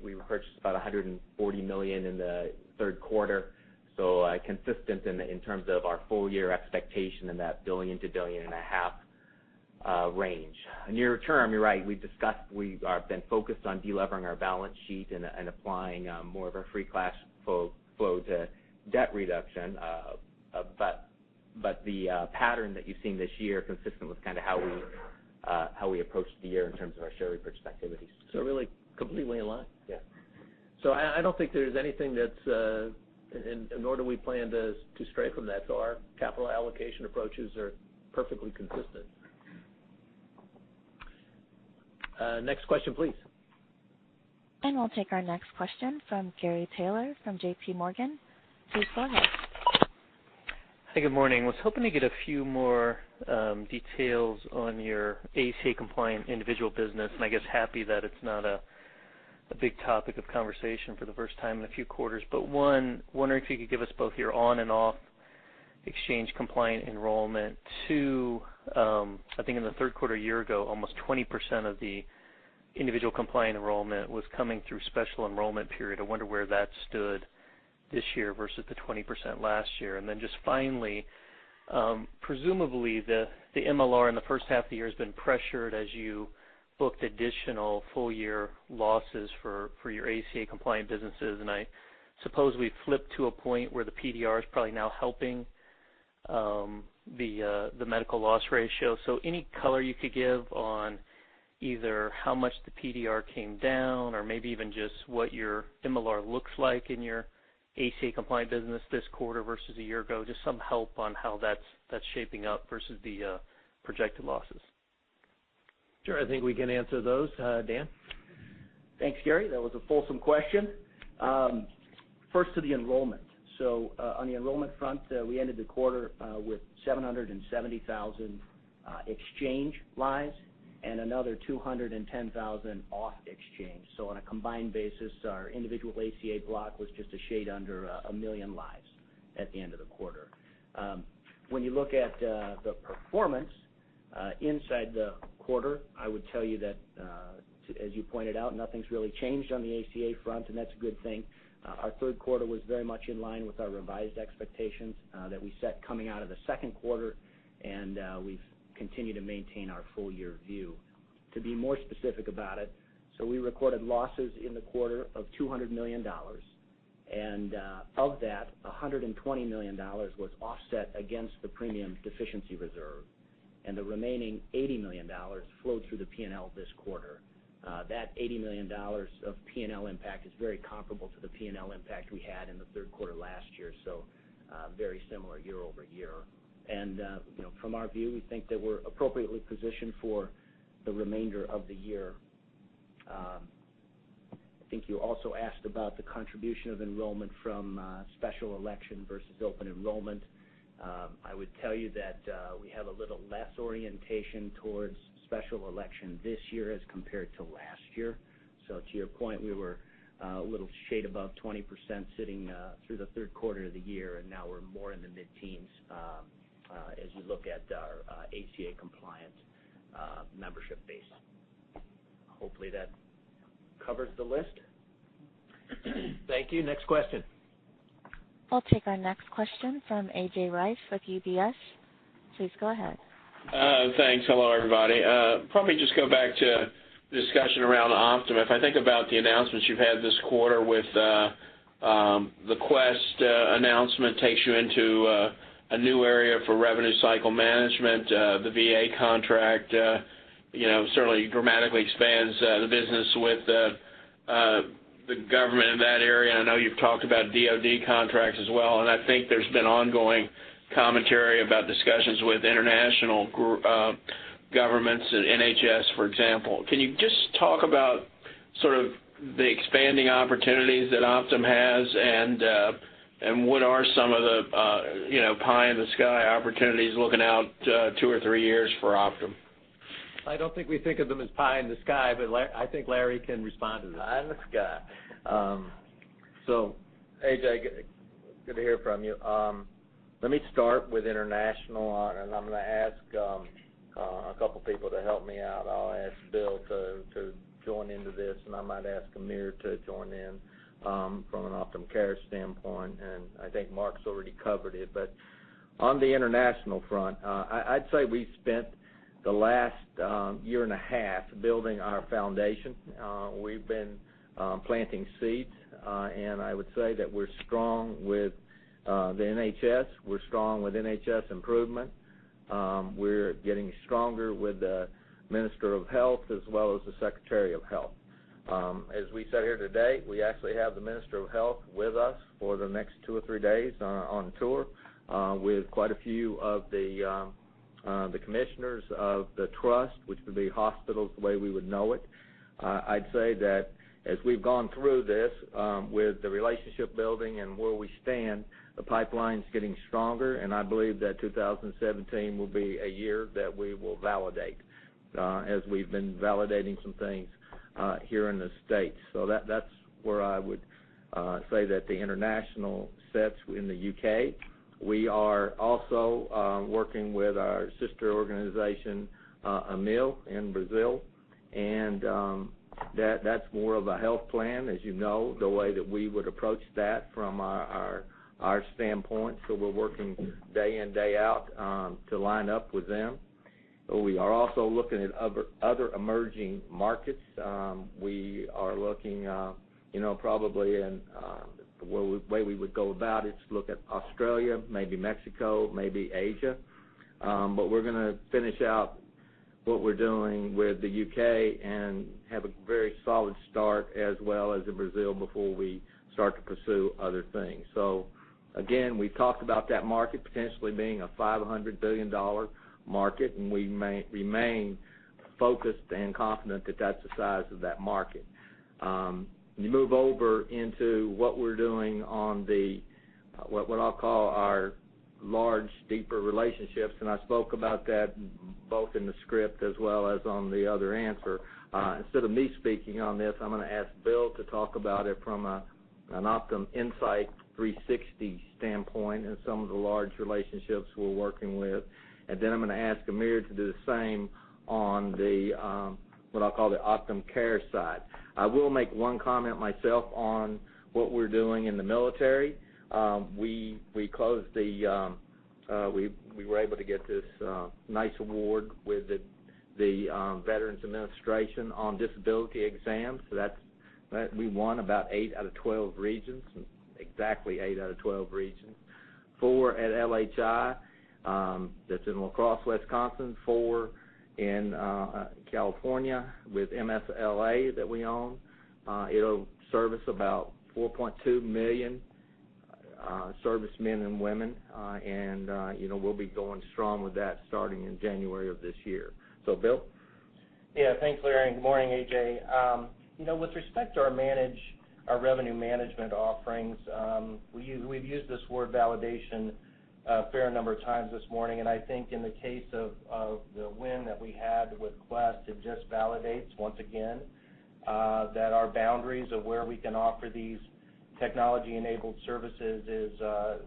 We repurchased about $140 million in the third quarter, consistent in terms of our full year expectation in that $1 billion-$1.5 billion range. Near term, you're right, we've been focused on delevering our balance sheet and applying more of our free cash flow to debt reduction. The pattern that you've seen this year, consistent with how we approached the year in terms of our share repurchase activities. Really, completely in line. Yeah. I don't think there's anything, nor do we plan to stray from that. Our capital allocation approaches are perfectly consistent. Next question, please. We'll take our next question from Gary Taylor from JPMorgan. Please go ahead. Hey, good morning. Was hoping to get a few more details on your ACA compliant individual business, I guess happy that it's not a big topic of conversation for the first time in a few quarters. One, wondering if you could give us both your on and off exchange compliant enrollment. Two, I think in the third quarter a year ago, almost 20% of the individual compliant enrollment was coming through special enrollment period. I wonder where that stood this year versus the 20% last year. Then just finally, presumably the MLR in the first half of the year has been pressured as you booked additional full-year losses for your ACA compliant businesses. I suppose we've flipped to a point where the PDR is probably now helping the medical loss ratio. Any color you could give on either how much the PDR came down or maybe even just what your MLR looks like in your ACA compliant business this quarter versus a year ago. Just some help on how that's shaping up versus the projected losses. Sure. I think we can answer those. Dan? Thanks, Gary. That was a fulsome question. First to the enrollment. On the enrollment front, we ended the quarter with 770,000 exchange lives and another 210,000 off exchange. On a combined basis, our individual ACA block was just a shade under 1 million lives at the end of the quarter. When you look at the performance inside the quarter, I would tell you that, as you pointed out, nothing's really changed on the ACA front, and that's a good thing. Our third quarter was very much in line with our revised expectations that we set coming out of the second quarter, and we've continued to maintain our full year view. To be more specific about it, we recorded losses in the quarter of $200 million, and of that, $120 million was offset against the premium deficiency reserve, and the remaining $80 million flowed through the P&L this quarter. That $80 million of P&L impact is very comparable to the P&L impact we had in the third quarter last year, very similar year-over-year. From our view, we think that we're appropriately positioned for the remainder of the year. I think you also asked about the contribution of enrollment from special election versus open enrollment. I would tell you that we have a little less orientation towards special election this year as compared to last year. To your point, we were a little shade above 20% sitting through the third quarter of the year, and now we're more in the mid-teens as you look at our ACA compliant membership base. Hopefully that covers the list. Thank you. Next question. I'll take our next question from A.J. Rice with UBS. Please go ahead. Thanks. Hello, everybody. Probably just go back to discussion around Optum. If I think about the announcements you've had this quarter with the Quest announcement takes you into a new area for revenue cycle management. The VA contract certainly dramatically expands the business with the government in that area. I know you've talked about DoD contracts as well, and I think there's been ongoing commentary about discussions with international governments and NHS, for example. Can you just talk about the expanding opportunities that Optum has, and what are some of the pie in the sky opportunities looking out two or three years for Optum? I don't think we think of them as pie in the sky, but I think Larry can respond to that. Pie in the sky. A.J., good to hear from you. Let me start with international, and I am going to ask a couple people to help me out. I will ask Bill to join into this, and I might ask Amir to join in from an Optum Care standpoint, and I think Mark has already covered it. On the international front, I would say we have spent the last year and a half building our foundation. We have been planting seeds, and I would say that we are strong with the NHS, we are strong with NHS Improvement. We are getting stronger with the Minister of Health as well as the Secretary of Health. As we sit here today, we actually have the Minister of Health with us for the next two or three days on tour, with quite a few of the commissioners of the trust, which would be hospitals the way we would know it. I would say that as we have gone through this, with the relationship building and where we stand, the pipeline is getting stronger, and I believe that 2017 will be a year that we will validate, as we have been validating some things here in the States. That is where I would say that the international sets in the U.K. We are also working with our sister organization, Amil, in Brazil, and that is more of a health plan, as you know, the way that we would approach that from our standpoint. We are working day in, day out, to line up with them. We are also looking at other emerging markets. We are looking probably in, the way we would go about it, to look at Australia, maybe Mexico, maybe Asia. We are going to finish out what we are doing with the U.K. and have a very solid start, as well as in Brazil, before we start to pursue other things. Again, we have talked about that market potentially being a $500 billion market, and we remain focused and confident that that is the size of that market. You move over into what we are doing on the, what I will call our large, deeper relationships, and I spoke about that both in the script as well as on the other answer. Instead of me speaking on this, I am going to ask Bill to talk about it from an OptumInsight 360 standpoint and some of the large relationships we are working with. Then I am going to ask Amir to do the same on the, what I will call the Optum Care side. I will make one comment myself on what we are doing in the military. We were able to get this nice award with the Veterans Administration on disability exams. We won about 8 out of 12 regions, exactly 8 out of 12 regions. Four at LHI, that is in La Crosse, Wisconsin, four in California with MSLA that we own. It will service about 4.2 million servicemen and women, and we will be going strong with that starting in January of this year. Bill? Thanks, Larry Renfro, and good morning, A.J. Rice. With respect to our revenue management offerings, we've used this word validation a fair number of times this morning. I think in the case of the win that we had with Quest Diagnostics, it just validates once again that our boundaries of where we can offer these technology-enabled services is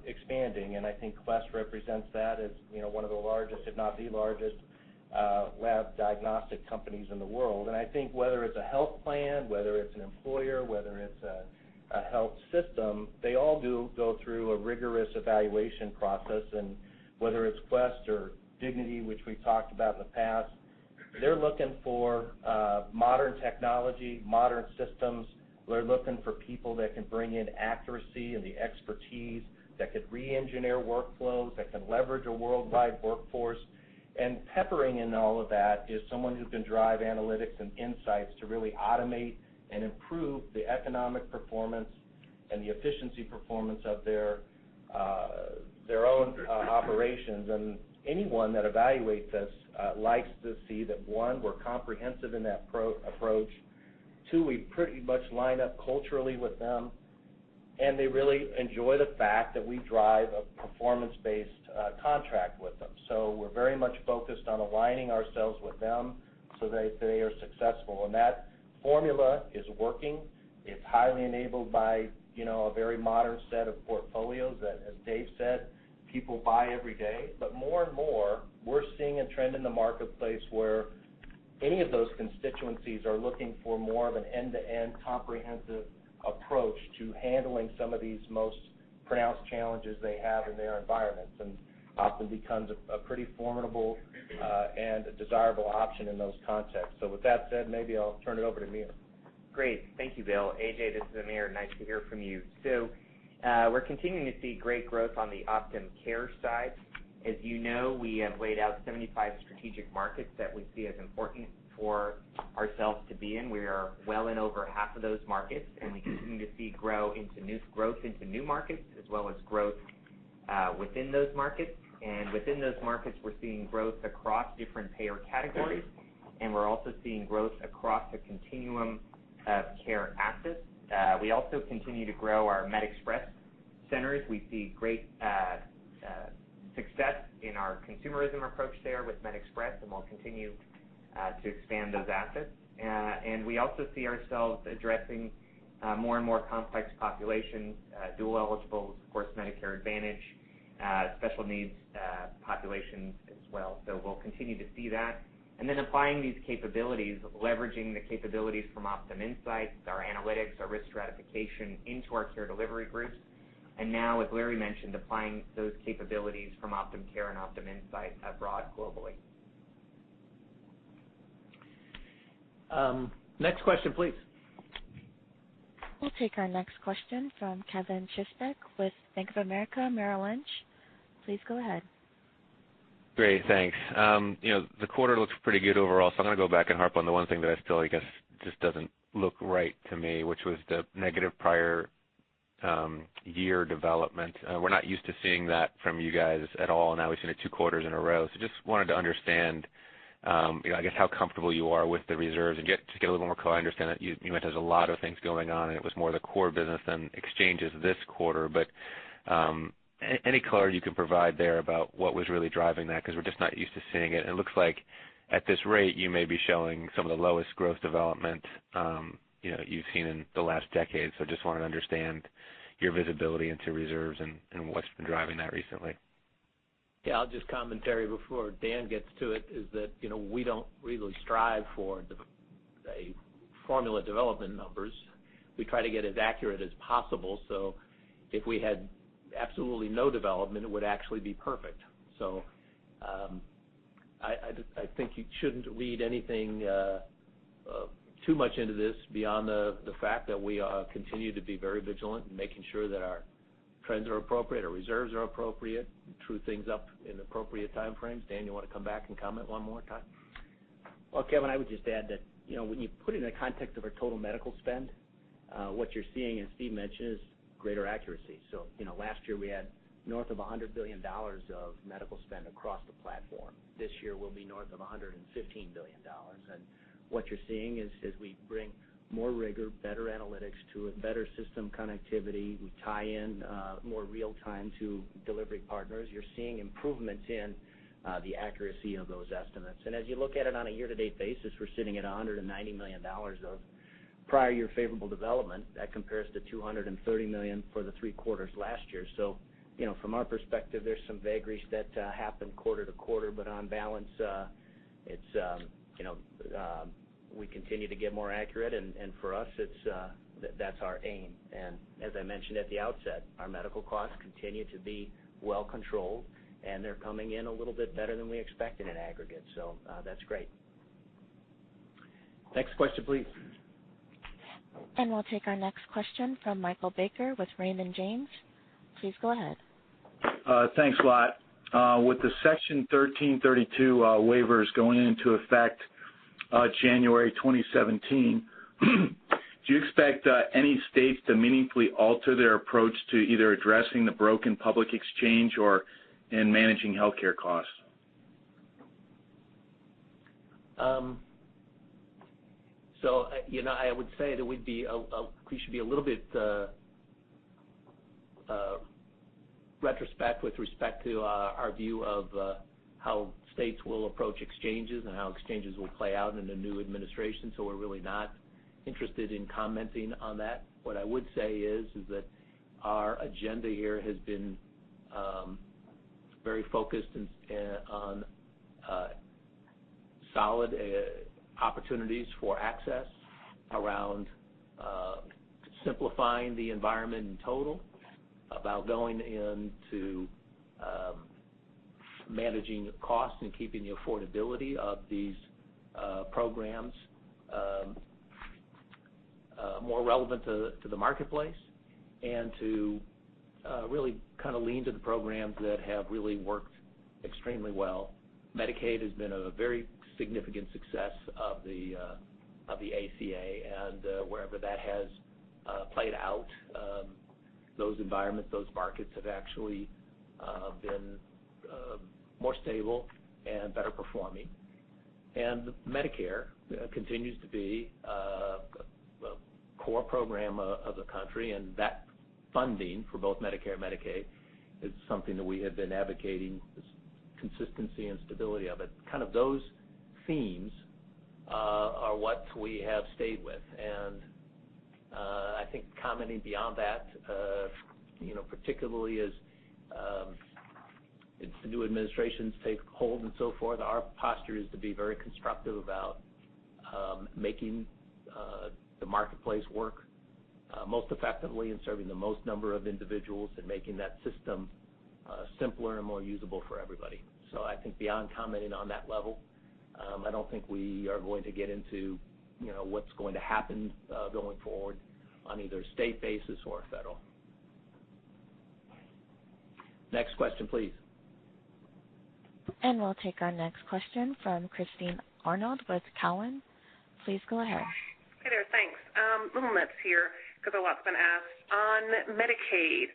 expanding. I think Quest Diagnostics represents that as one of the largest, if not the largest, lab diagnostic companies in the world. I think whether it's a health plan, whether it's an employer, whether it's a health system, they all do go through a rigorous evaluation process. Whether it's Quest Diagnostics or Dignity Health, which we've talked about in the past, they're looking for modern technology, modern systems. They're looking for people that can bring in accuracy and the expertise, that could re-engineer workflows, that can leverage a worldwide workforce. Peppering in all of that is someone who can drive analytics and insights to really automate and improve the economic performance and the efficiency performance of their own operations. Anyone that evaluates us likes to see that, one, we're comprehensive in that approach. Two, we pretty much line up culturally with them, and they really enjoy the fact that we drive a performance-based contract with them. We're very much focused on aligning ourselves with them so they are successful. That formula is working. It's highly enabled by a very modern set of portfolios that, as Dave Wichmann said, people buy every day. More and more, we're seeing a trend in the marketplace where any of those constituencies are looking for more of an end-to-end comprehensive approach to handling some of these most pronounced challenges they have in their environments, and Optum becomes a pretty formidable and desirable option in those contexts. With that said, maybe I'll turn it over to Amir Rubin. Great. Thank you, Bill. A.J. Rice, this is Amir Rubin. Nice to hear from you. We're continuing to see great growth on the Optum Care side. As you know, we have laid out 75 strategic markets that we see as important for ourselves to be in. We are well in over half of those markets. We continue to see growth into new markets, as well as growth within those markets. Within those markets, we're seeing growth across different payer categories. We're also seeing growth across the continuum of care access. We also continue to grow our MedExpress centers. We see great success in our consumerism approach there with MedExpress, and we'll continue to expand those assets. We also see ourselves addressing more and more complex populations, dual eligible, of course, Medicare Advantage, special needs populations as well. We'll continue to see that. Then applying these capabilities, leveraging the capabilities from Optum Insight, our analytics, our risk stratification into our care delivery groups. Now, as Larry mentioned, applying those capabilities from Optum Care and Optum Insight abroad globally. Next question, please. We'll take our next question from Kevin Fischbeck with Bank of America Merrill Lynch. Please go ahead. Great, thanks. The quarter looks pretty good overall, so I'm going to go back and harp on the one thing that I still, I guess, just doesn't look right to me, which was the negative prior year development. We're not used to seeing that from you guys at all, now we've seen it two quarters in a row. Just wanted to understand, I guess, how comfortable you are with the reserves, and just to get a little more color, I understand that you went through a lot of things going on, and it was more the core business than exchanges this quarter, but any color you can provide there about what was really driving that? We're just not used to seeing it, and it looks like at this rate, you may be showing some of the lowest growth development you've seen in the last decade. Just wanted to understand your visibility into reserves and what's been driving that recently. I'll just commentary before Dan gets to it, is that we don't really strive for formula development numbers. We try to get as accurate as possible. If we had absolutely no development, it would actually be perfect. I think you shouldn't read anything too much into this beyond the fact that we continue to be very vigilant in making sure that our trends are appropriate, our reserves are appropriate, we true things up in appropriate time frames. Dan, you want to come back and comment one more time? Well, Kevin, I would just add that when you put it in the context of our total medical spend, what you're seeing, as Steve mentioned, is greater accuracy. Last year we had north of $100 billion of medical spend across the platform. This year will be north of $115 billion. What you're seeing is, as we bring more rigor, better analytics to it, better system connectivity, we tie in more real time to delivery partners. You're seeing improvements in the accuracy of those estimates. As you look at it on a year-to-date basis, we're sitting at $190 million of prior year favorable development. That compares to $230 million for the three quarters last year. From our perspective, there's some vagaries that happen quarter to quarter, but on balance, we continue to get more accurate, and for us, that's our aim. As I mentioned at the outset, our medical costs continue to be well controlled, and they're coming in a little bit better than we expected in aggregate. That's great. Next question, please. We'll take our next question from Michael Baker with Raymond James. Please go ahead. Thanks a lot. With the Section 1332 waivers going into effect January 2017, do you expect any states to meaningfully alter their approach to either addressing the broken public exchange or in managing healthcare costs? I would say that we should be a little bit retrospective with respect to our view of how states will approach exchanges and how exchanges will play out in the new administration. We're really not interested in commenting on that. What I would say is that our agenda here has been very focused on solid opportunities for access around simplifying the environment in total, about going into managing costs and keeping the affordability of these programs more relevant to the marketplace, and to really lean to the programs that have really worked extremely well. Medicaid has been a very significant success of the ACA, and wherever that has played out, those environments, those markets have actually been more stable and better performing. Medicare continues to be a core program of the country, and that funding for both Medicare and Medicaid is something that we have been advocating consistency and stability of it. Kind of those themes are what we have stayed with. I think commenting beyond that, particularly as the new administrations take hold and so forth, our posture is to be very constructive about making the marketplace work most effectively in serving the most number of individuals and making that system simpler and more usable for everybody. I think beyond commenting on that level, I don't think we are going to get into what's going to happen going forward on either a state basis or a federal. Next question, please. We'll take our next question from Christine Arnold with Cowen. Please go ahead. Hi there. Thanks. Little nuts here because a lot's been asked. On Medicaid,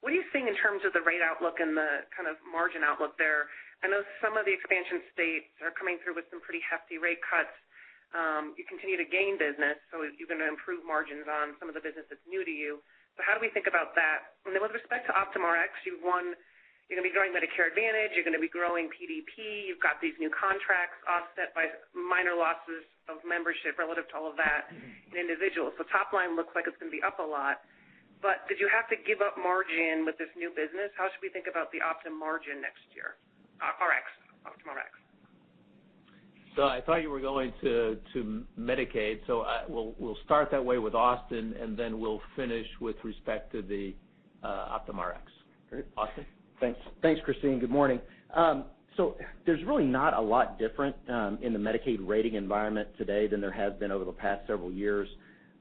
what are you seeing in terms of the rate outlook and the kind of margin outlook there? I know some of the expansion states are coming through with some pretty hefty rate cuts. You continue to gain business, you're going to improve margins on some of the business that's new to you. How do we think about that? Then with respect to Optum Rx, you've won, you're going to be growing Medicare Advantage, you're going to be growing PDP, you've got these new contracts offset by minor losses of membership relative to all of that in individuals. Top line looks like it's going to be up a lot, but did you have to give up margin with this new business? How should we think about the Optum margin next year? Rx, Optum Rx. I thought you were going to Medicaid. We'll start that way with Austin, then we'll finish with respect to the Optum Rx. Great, Austin? Thanks, Christine. Good morning. There's really not a lot different in the Medicaid rating environment today than there has been over the past several years.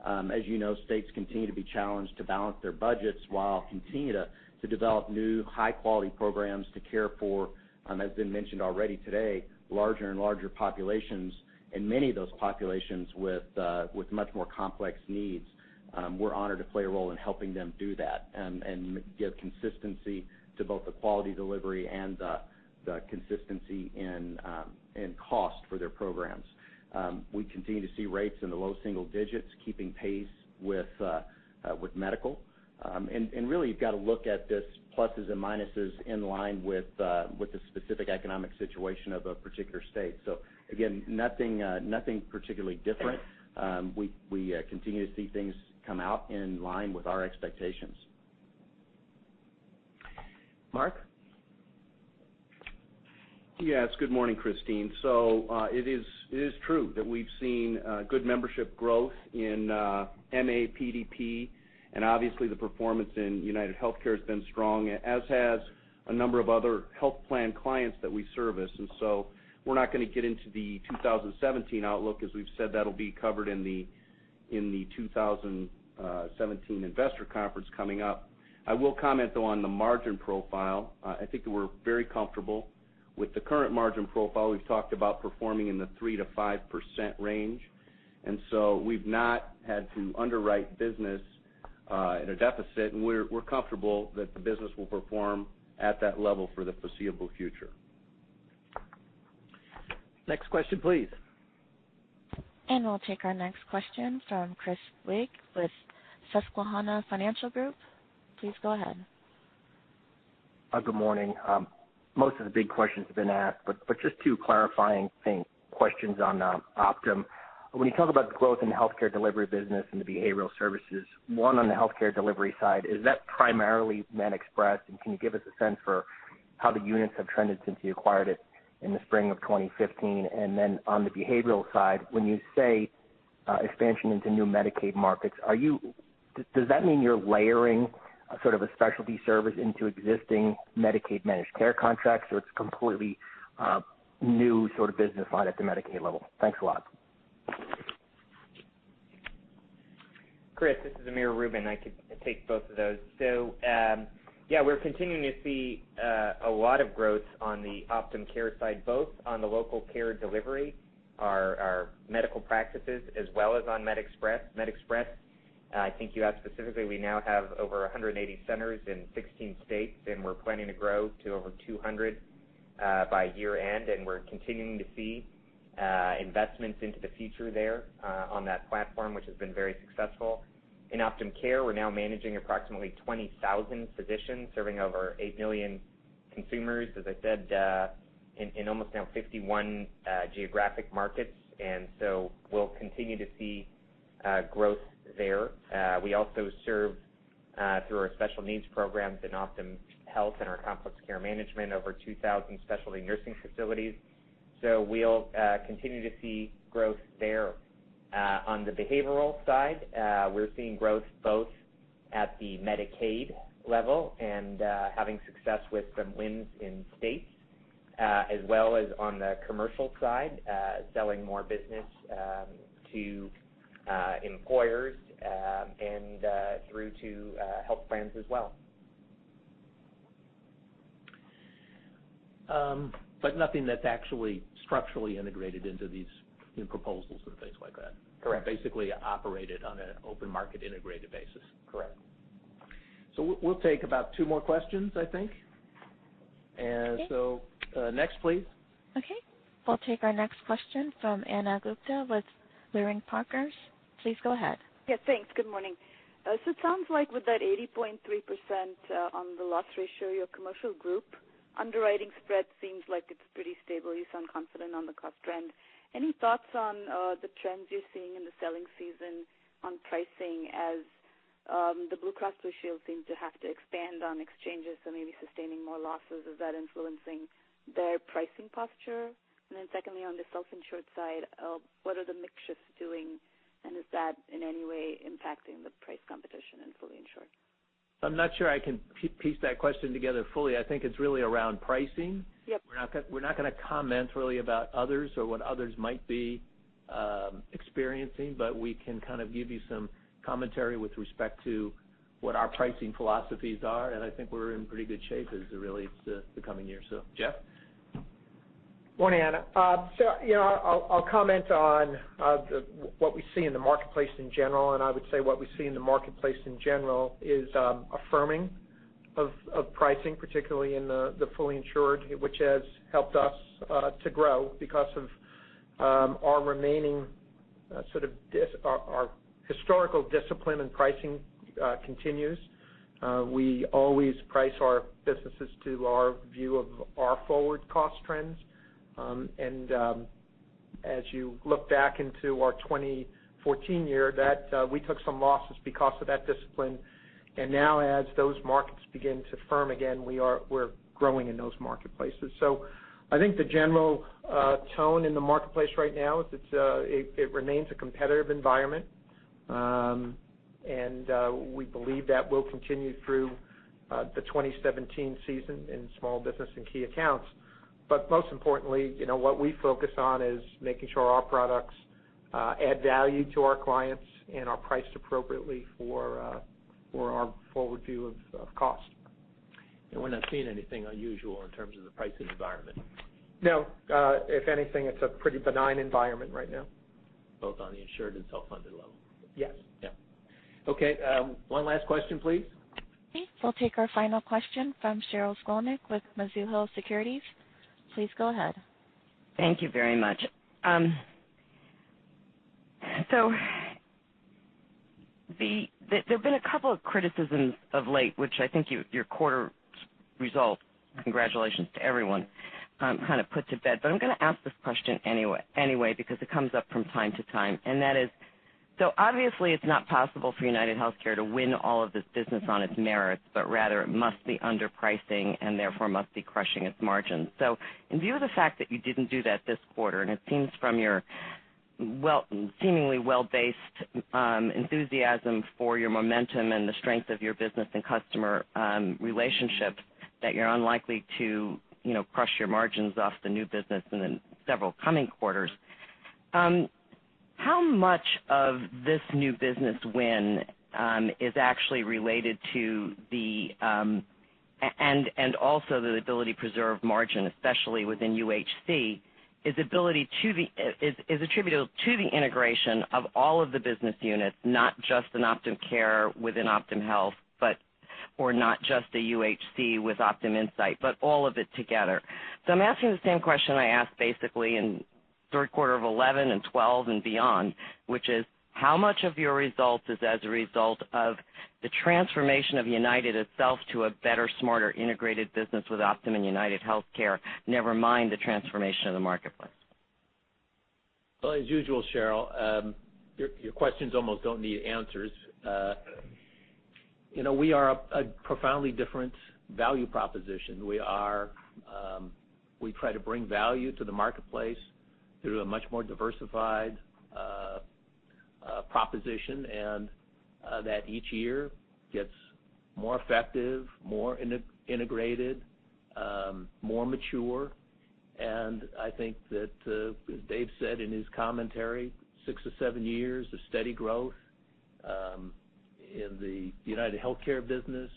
As you know, states continue to be challenged to balance their budgets while continuing to develop new high-quality programs to care for, as been mentioned already today, larger and larger populations, and many of those populations with much more complex needs. We're honored to play a role in helping them do that and give consistency to both the quality delivery and the consistency in cost for their programs. We continue to see rates in the low single digits, keeping pace with medical. Really, you've got to look at this pluses and minuses in line with the specific economic situation of a particular state. Again, nothing particularly different. We continue to see things come out in line with our expectations. Mark? Yes, good morning, Christine. It is true that we've seen good membership growth in MA PDP, and obviously the performance in UnitedHealthcare has been strong, as has a number of other health plan clients that we service. We're not going to get into the 2017 outlook, as we've said, that'll be covered in the 2017 investor conference coming up. I will comment, though, on the margin profile. I think that we're very comfortable with the current margin profile. We've talked about performing in the 3%-5% range. We've not had to underwrite business in a deficit, and we're comfortable that the business will perform at that level for the foreseeable future. Next question, please. We'll take our next question from Chris Rigg with Susquehanna Financial Group. Please go ahead. Good morning. Most of the big questions have been asked. Just two clarifying things, questions on Optum. When you talk about the growth in the healthcare delivery business and the behavioral services, one on the healthcare delivery side, is that primarily MedExpress, and can you give us a sense for how the units have trended since you acquired it in the spring of 2015? On the behavioral side, when you say expansion into new Medicaid markets, does that mean you're layering a sort of a specialty service into existing Medicaid managed care contracts, or it's completely new sort of business line at the Medicaid level? Thanks a lot. Chris, this is Amir Rubin. I could take both of those. Yeah, we're continuing to see a lot of growth on the Optum Care side, both on the local care delivery, our medical practices, as well as on MedExpress. MedExpress, I think you asked specifically, we now have over 180 centers in 16 states, and we're planning to grow to over 200 by year-end, and we're continuing to see investments into the future there on that platform, which has been very successful. In Optum Care, we're now managing approximately 20,000 physicians serving over 8 million consumers, as I said, in almost now 51 geographic markets. We'll continue to see growth there. We also serve through our special needs programs in Optum Health and our complex care management over 2,000 specialty nursing facilities. We'll continue to see growth there. On the behavioral side, we're seeing growth both at the Medicaid level and having success with some wins in states, as well as on the commercial side, selling more business to employers, and through to health plans as well. Nothing that's actually structurally integrated into these new proposals and things like that? Correct. Basically operated on an open market integrated basis. Correct. We'll take about two more questions, I think. Okay. Next, please. Okay. We'll take our next question from Ana Gupte with Leerink Partners. Please go ahead. Yes, thanks. Good morning. It sounds like with that 80.3% on the loss ratio, your commercial group underwriting spread seems like it's pretty stable. You sound confident on the cost trend. Any thoughts on the trends you're seeing in the selling season on pricing as the Blue Cross Blue Shield seem to have to expand on exchanges, maybe sustaining more losses, is that influencing their pricing posture? Secondly, on the self-insured side, what are the mixtures doing, and is that in any way impacting the price competition in fully insured? I'm not sure I can piece that question together fully. I think it's really around pricing. Yep. We're not going to comment really about others or what others might be experiencing, but we can kind of give you some commentary with respect to what our pricing philosophies are, and I think we're in pretty good shape as it relates to the coming year. Jeff? Morning, Ana. Yeah, I'll comment on what we see in the marketplace in general, and I would say what we see in the marketplace in general is a firming of pricing, particularly in the fully insured, which has helped us to grow because of our remaining historical discipline and pricing continues. We always price our businesses to our view of our forward cost trends. As you look back into our 2014 year, we took some losses because of that discipline. Now as those markets begin to firm again, we're growing in those marketplaces. I think the general tone in the marketplace right now is it remains a competitive environment, and we believe that will continue through the 2017 season in small business and key accounts. Most importantly, what we focus on is making sure our products add value to our clients and are priced appropriately for our forward view of cost. We're not seeing anything unusual in terms of the pricing environment? No. If anything, it's a pretty benign environment right now. Both on the insured and self-funded level. Yes. Okay. One last question, please. Okay. We'll take our final question from Sheryl Skolnick with Mizuho Securities. Please go ahead. Thank you very much. There've been a couple of criticisms of late, which I think your quarter results, congratulations to everyone, kind of put to bed. I'm going to ask this question anyway, because it comes up from time to time, and that is, obviously it's not possible for UnitedHealthcare to win all of this business on its merits, but rather it must be underpricing and therefore must be crushing its margins. In view of the fact that you didn't do that this quarter, and it seems from your seemingly well-based enthusiasm for your momentum and the strength of your business and customer relationships, that you're unlikely to crush your margins off the new business in the several coming quarters. How much of this new business win is actually related to the and also the ability to preserve margin, especially within UHC, is attributable to the integration of all of the business units, not just in Optum Care within Optum Health, or not just the UHC with OptumInsight, but all of it together. I'm asking the same question I asked basically in third quarter of 2011 and 2012 and beyond, which is, how much of your results is as a result of the transformation of United itself to a better, smarter, integrated business with Optum and UnitedHealthcare, never mind the transformation of the marketplace? As usual, Sheryl, your questions almost don't need answers. We are a profoundly different value proposition. We try to bring value to the marketplace through a much more diversified proposition, that each year gets more effective, more integrated, more mature. I think that, as Dave said in his commentary, six or seven years of steady growth in the UnitedHealthcare business,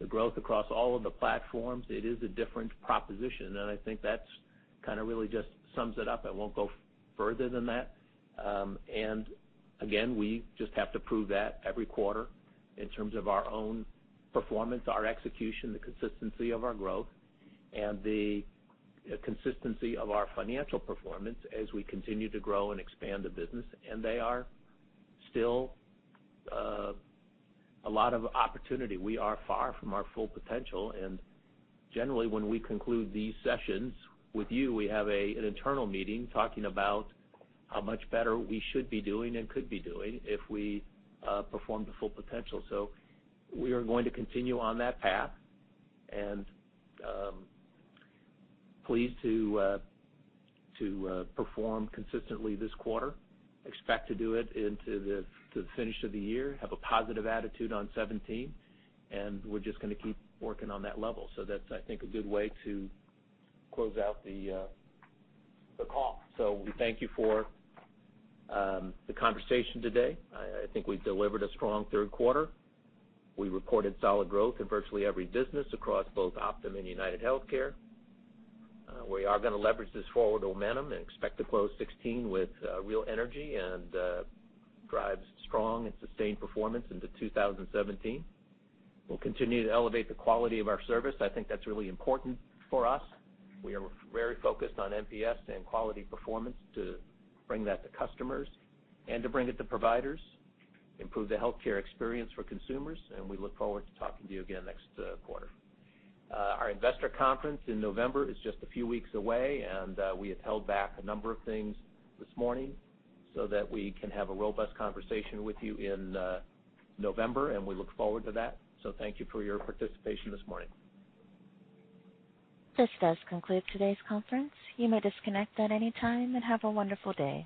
the growth across all of the platforms, it is a different proposition. I think that kind of really just sums it up. I won't go further than that. Again, we just have to prove that every quarter in terms of our own performance, our execution, the consistency of our growth, and the consistency of our financial performance as we continue to grow and expand the business. They are still a lot of opportunity. We are far from our full potential. Generally, when we conclude these sessions with you, we have an internal meeting talking about how much better we should be doing and could be doing if we performed to full potential. We are going to continue on that path and pleased to perform consistently this quarter, expect to do it into the finish of the year, have a positive attitude on 2017, and we're just going to keep working on that level. That's, I think, a good way to close out the call. We thank you for the conversation today. I think we delivered a strong third quarter. We reported solid growth in virtually every business across both Optum and UnitedHealthcare. We are going to leverage this forward momentum and expect to close 2016 with real energy and drive strong and sustained performance into 2017. We'll continue to elevate the quality of our service. I think that's really important for us. We are very focused on NPS and quality performance to bring that to customers and to bring it to providers, improve the healthcare experience for consumers, and we look forward to talking to you again next quarter. Our investor conference in November is just a few weeks away, and we have held back a number of things this morning so that we can have a robust conversation with you in November, and we look forward to that. Thank you for your participation this morning. This does conclude today's conference. You may disconnect at any time, have a wonderful day.